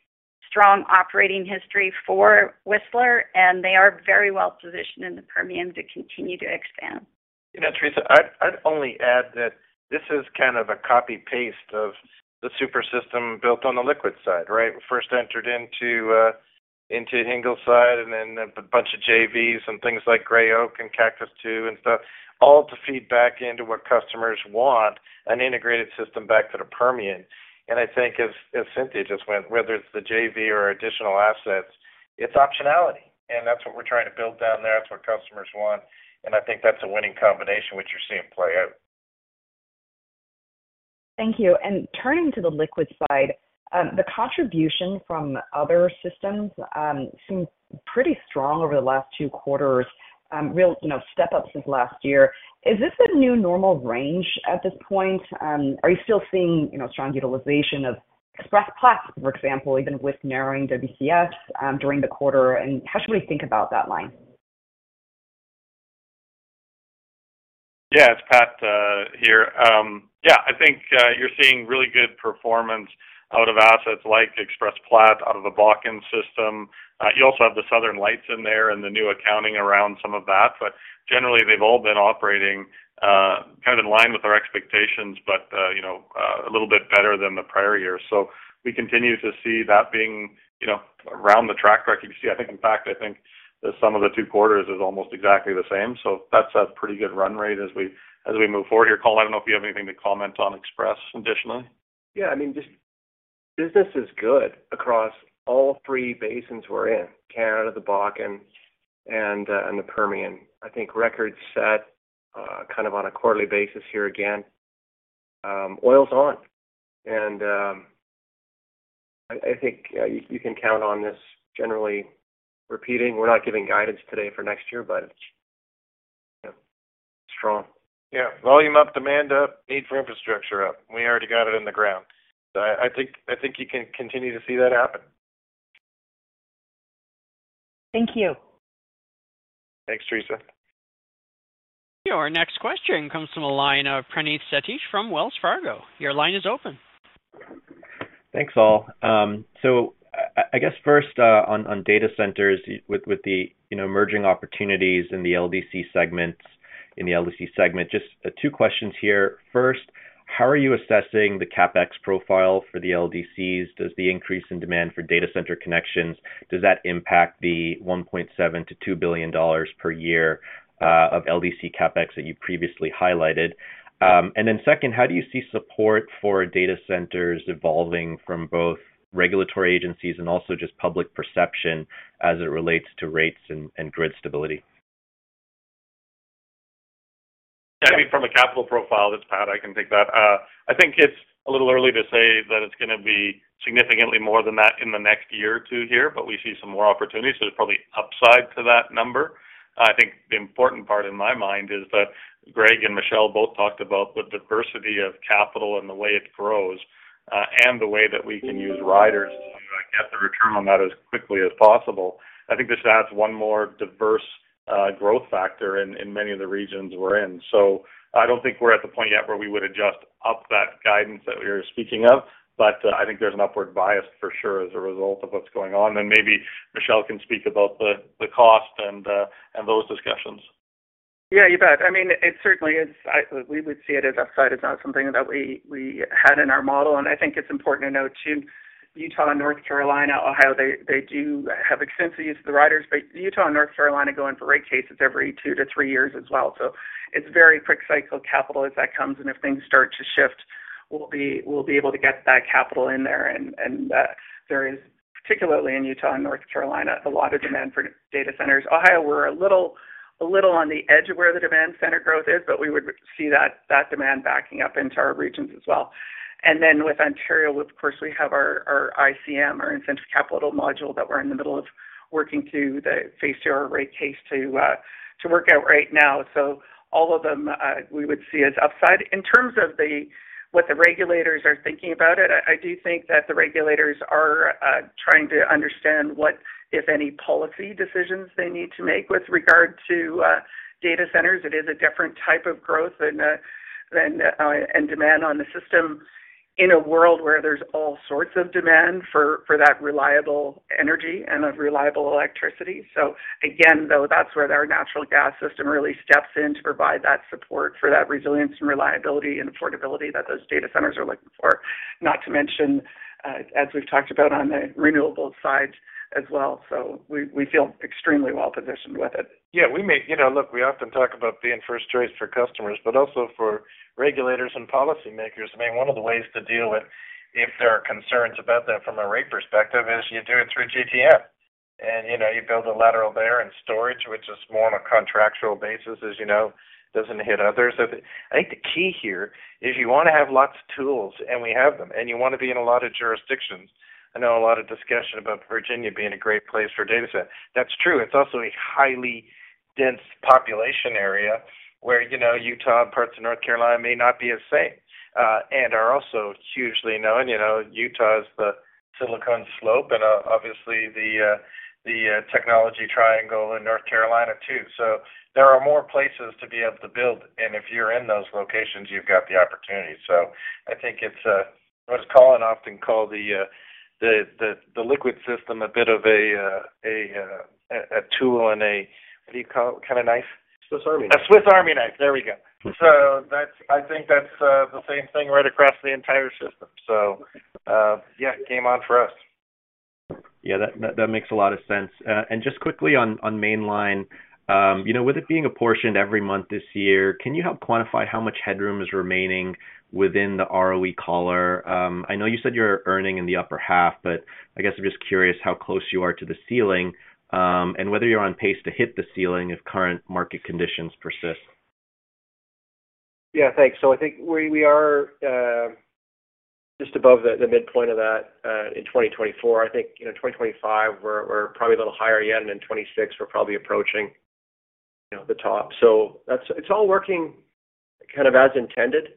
strong operating history for Whistler, and they are very well positioned in the Permian to continue to expand. You know, Theresa, I'd only add that this is kind of a copy-paste of the super system built on the liquid side, right? We first entered into Ingleside and then a bunch of JVs and things like Gray Oak and Cactus II and stuff, all to feed back into what customers want, an integrated system back to the Permian. And I think as Cynthia just went, whether it's the JV or additional assets, it's optionality, and that's what we're trying to build down there. That's what customers want, and I think that's a winning combination, which you're seeing play out. Thank you. Turning to the liquids side, the contribution from other systems seems pretty strong over the last two quarters, really, you know, step up since last year. Is this a new normal range at this point? Are you still seeing, you know, strong utilization of Express Platte, for example, even with narrowing WCS during the quarter? And how should we think about that line? Yeah, it's Pat here. Yeah, I think you're seeing really good performance out of assets like Express Platte, out of the Bakken system. You also have the Southern Lights in there and the new accounting around some of that. But generally, they've all been operating kind of in line with our expectations, but you know a little bit better than the prior year. So we continue to see that being you know around the track record. You see, I think, in fact, I think the sum of the two quarters is almost exactly the same. So that's a pretty good run rate as we move forward here. Cole, I don't know if you have anything to comment on Express additionally. Yeah, I mean, just business is good across all three basins we're in, Canada, the Bakken and the Permian. I think records set kind of on a quarterly basis here again. Oil's on, and I think you can count on this generally repeating. We're not giving guidance today for next year, but it's, you know, strong. Yeah, volume up, demand up, need for infrastructure up. We already got it in the ground. So I, I think, I think you can continue to see that happen. Thank you. Thanks, Theresa. Our next question comes from the line of Praneeth Satish from Wells Fargo. Your line is open. Thanks, all. So I guess first, on data centers with the you know emerging opportunities in the LDC segments, in the LDC segment, just two questions here. First, how are you assessing the CapEx profile for the LDCs? Does the increase in demand for data center connections, does that impact the $1.7 billion to $2 billion per year of LDC CapEx that you previously highlighted? And then second, how do you see support for data centers evolving from both regulatory agencies and also just public perception as it relates to rates and grid stability? I think from a capital profile, it's Pat, I can take that. I think it's a little early to say that it's gonna be significantly more than that in the next year or two here, but we see some more opportunities, so there's probably upside to that number. I think the important part in my mind is that Greg and Michele both talked about the diversity of capital and the way it grows, and the way that we can use riders to get the return on that as quickly as possible. I think this adds one more diverse, growth factor in, in many of the regions we're in. So I don't think we're at the point yet where we would adjust up that guidance that we were speaking of, but, I think there's an upward bias for sure, as a result of what's going on. Maybe Michele can speak about the cost and those discussions. Yeah, you bet. I mean, it certainly is. I-- we would see it as upside. It's not something that we, we had in our model, and I think it's important to note to Utah, North Carolina, Ohio, they, they do have extensive use of the riders, but Utah and North Carolina go in for rate cases every two to three years as well. So it's very quick cycle capital as that comes, and if things start to shift, we'll be, we'll be able to get that capital in there. And, and, there is, particularly in Utah and North Carolina, a lot of demand for data centers. Ohio, we're a little-... a little on the edge of where the demand center growth is, but we would see that, that demand backing up into our regions as well. And then with Ontario, of course, we have our ICM, our Incentive Capital Module, that we're in the middle of working through the phase two rate case to work out right now. So all of them we would see as upside. In terms of what the regulators are thinking about it, I do think that the regulators are trying to understand what, if any, policy decisions they need to make with regard to data centers. It is a different type of growth and than and demand on the system in a world where there's all sorts of demand for that reliable energy and a reliable electricity. So again, though, that's where our natural gas system really steps in to provide that support for that resilience and reliability and affordability that those data centers are looking for. Not to mention, as we've talked about on the renewable side as well, so we, we feel extremely well-positioned with it. Yeah, we may, you know, look, we often talk about being first choice for customers, but also for regulators and policymakers. I mean, one of the ways to deal with if there are concerns about that from a rate perspective, is you do it through GTM. And, you know, you build a lateral there and storage, which is more on a contractual basis, as you know, doesn't hit others. So I think the key here is you want to have lots of tools, and we have them, and you want to be in a lot of jurisdictions. I know a lot of discussion about Virginia being a great place for data center. That's true. It's also a highly dense population area where, you know, Utah and parts of North Carolina may not be as safe, and are also hugely known. You know, Utah is the Silicon Slope and, obviously, the technology triangle in North Carolina, too. So there are more places to be able to build, and if you're in those locations, you've got the opportunity. So I think it's what Colin often call the liquid system, a bit of a tool and a, what do you call it? Kind of knife. Swiss Army knife. A Swiss Army knife. There we go. So that's, I think that's the same thing right across the entire system. So, yeah, game on for us. Yeah, that, that makes a lot of sense. And just quickly on, on Mainline, you know, with it being apportioned every month this year, can you help quantify how much headroom is remaining within the ROE collar? I know you said you're earning in the upper half, but I guess I'm just curious how close you are to the ceiling, and whether you're on pace to hit the ceiling if current market conditions persist. Yeah, thanks. So I think we are just above the midpoint of that in 2024. I think, you know, 2025, we're probably a little higher yet, and in 2026, we're probably approaching, you know, the top. So that's. It's all working kind of as intended.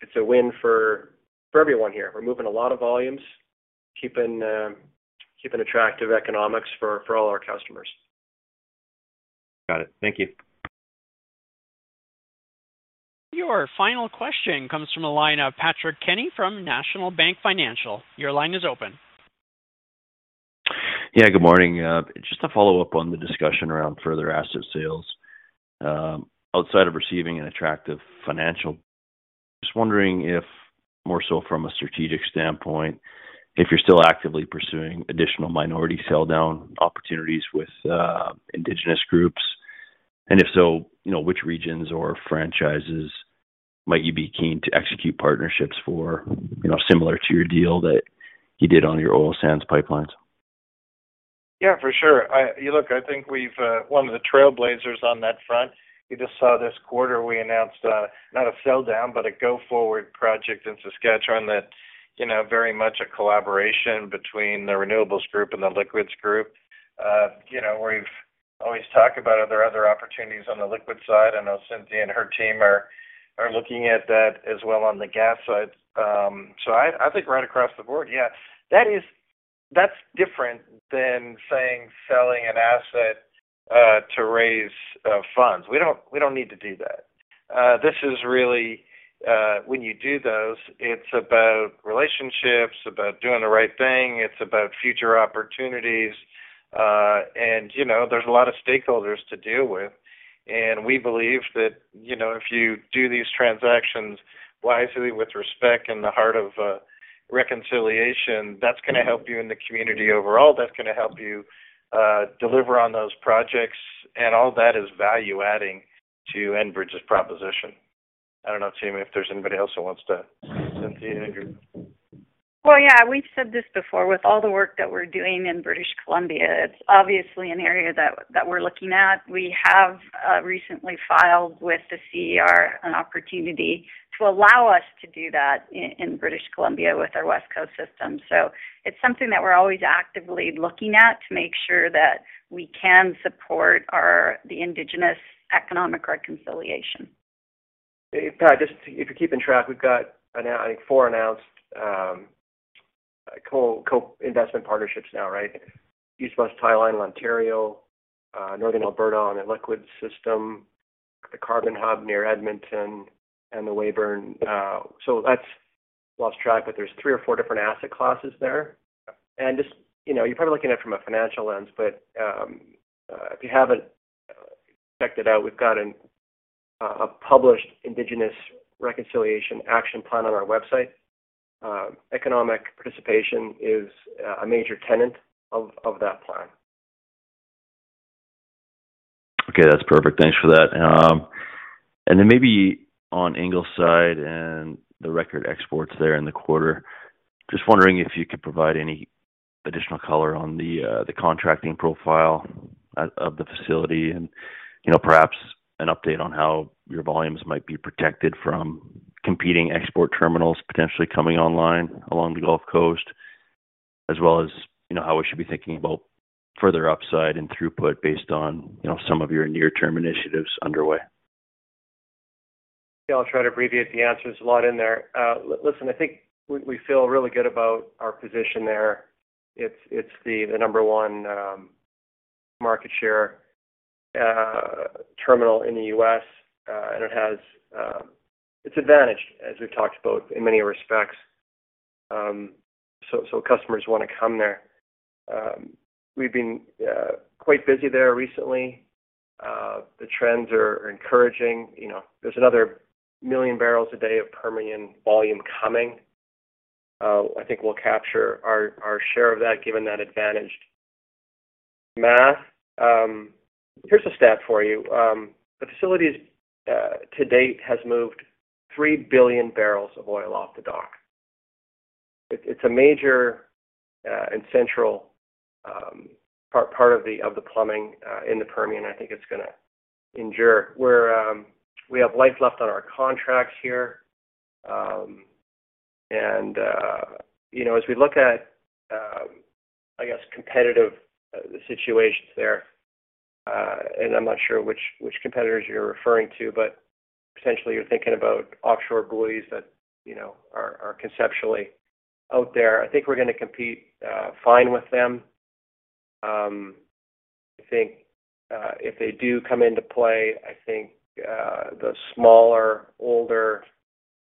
It's a win for everyone here. We're moving a lot of volumes, keeping attractive economics for all our customers. Got it. Thank you. Your final question comes from the line of Patrick Kenny from National Bank Financial. Your line is open. Yeah, good morning. Just to follow up on the discussion around further asset sales, outside of receiving an attractive financial... Just wondering if, more so from a strategic standpoint, if you're still actively pursuing additional minority sell down opportunities with, indigenous groups? And if so, you know, which regions or franchises might you be keen to execute partnerships for, you know, similar to your deal that you did on your oil sands pipelines? Yeah, for sure. You know, I think we're one of the trailblazers on that front. You just saw this quarter, we announced not a sell down, but a go-forward project in Saskatchewan that, you know, very much a collaboration between the renewables group and the liquids group. You know, we've always talked about, are there other opportunities on the liquid side? I know Cynthia and her team are looking at that as well on the gas side. So I think right across the board, yeah, that's different than saying selling an asset to raise funds. We don't, we don't need to do that. This is really, when you do those, it's about relationships, about doing the right thing, it's about future opportunities, and, you know, there's a lot of stakeholders to deal with. We believe that, you know, if you do these transactions wisely with respect in the heart of reconciliation, that's gonna help you in the community overall, that's gonna help you deliver on those projects, and all that is value-adding to Enbridge's proposition. I don't know, team, if there's anybody else who wants to... Cynthia, anything? Well, yeah, we've said this before. With all the work that we're doing in British Columbia, it's obviously an area that we're looking at. We have recently filed with the CER, an opportunity to allow us to do that in British Columbia with our West Coast System. So it's something that we're always actively looking at to make sure that we can support our, the Indigenous economic reconciliation. Hey, Pat, just if you're keeping track, we've got, I think, four announced co-investment partnerships now, right? East-West Tie Line, Ontario, Northern Alberta on a liquids system, the Wabamun Carbon Hub near Edmonton, and the Weyburn. So that's lost track, but there's three or four different asset classes there. And just, you know, you're probably looking at it from a financial lens, but, if you haven't checked it out, we've got a published Indigenous Reconciliation Action Plan on our website. Economic participation is a major tenet of that plan.... Okay, that's perfect. Thanks for that. And then maybe on Ingleside and the record exports there in the quarter, just wondering if you could provide any additional color on the contracting profile of the facility and, you know, perhaps an update on how your volumes might be protected from competing export terminals potentially coming online along the Gulf Coast, as well as, you know, how we should be thinking about further upside and throughput based on, you know, some of your near-term initiatives underway. Yeah, I'll try to abbreviate the answers. A lot in there. Listen, I think we feel really good about our position there. It's the number one market share terminal in the US, and it has, it's advantaged, as we've talked about in many respects. So, customers want to come there. We've been quite busy there recently. The trends are encouraging. You know, there's another million barrels a day of Permian volume coming. I think we'll capture our share of that, given that advantaged math. Here's a stat for you. The facility to date has moved three billion barrels of oil off the dock. It's a major and central part of the plumbing in the Permian. I think it's gonna endure. We have life left on our contracts here. And you know, as we look at, I guess, competitive situations there, and I'm not sure which competitors you're referring to, but potentially you're thinking about offshore buoys that, you know, are conceptually out there. I think we're gonna compete fine with them. I think if they do come into play, I think the smaller, older,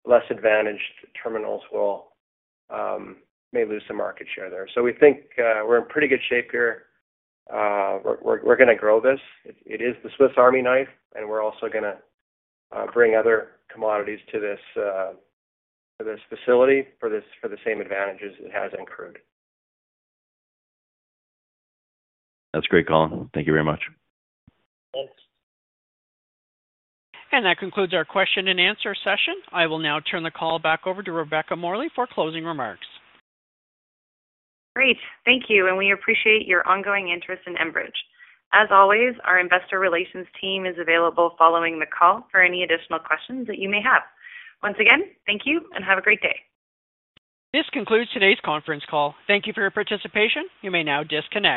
less advantaged terminals may lose some market share there. So we think we're in pretty good shape here. We're gonna grow this. It is the Swiss Army knife, and we're also gonna bring other commodities to this facility for the same advantages it has incurred. That's great, Colin. Thank you very much. Thanks. That concludes our question and answer session. I will now turn the call back over to Rebecca Morley for closing remarks. Great. Thank you, and we appreciate your ongoing interest in Enbridge. As always, our investor relations team is available following the call for any additional questions that you may have. Once again, thank you and have a great day. This concludes today's conference call. Thank you for your participation. You may now disconnect.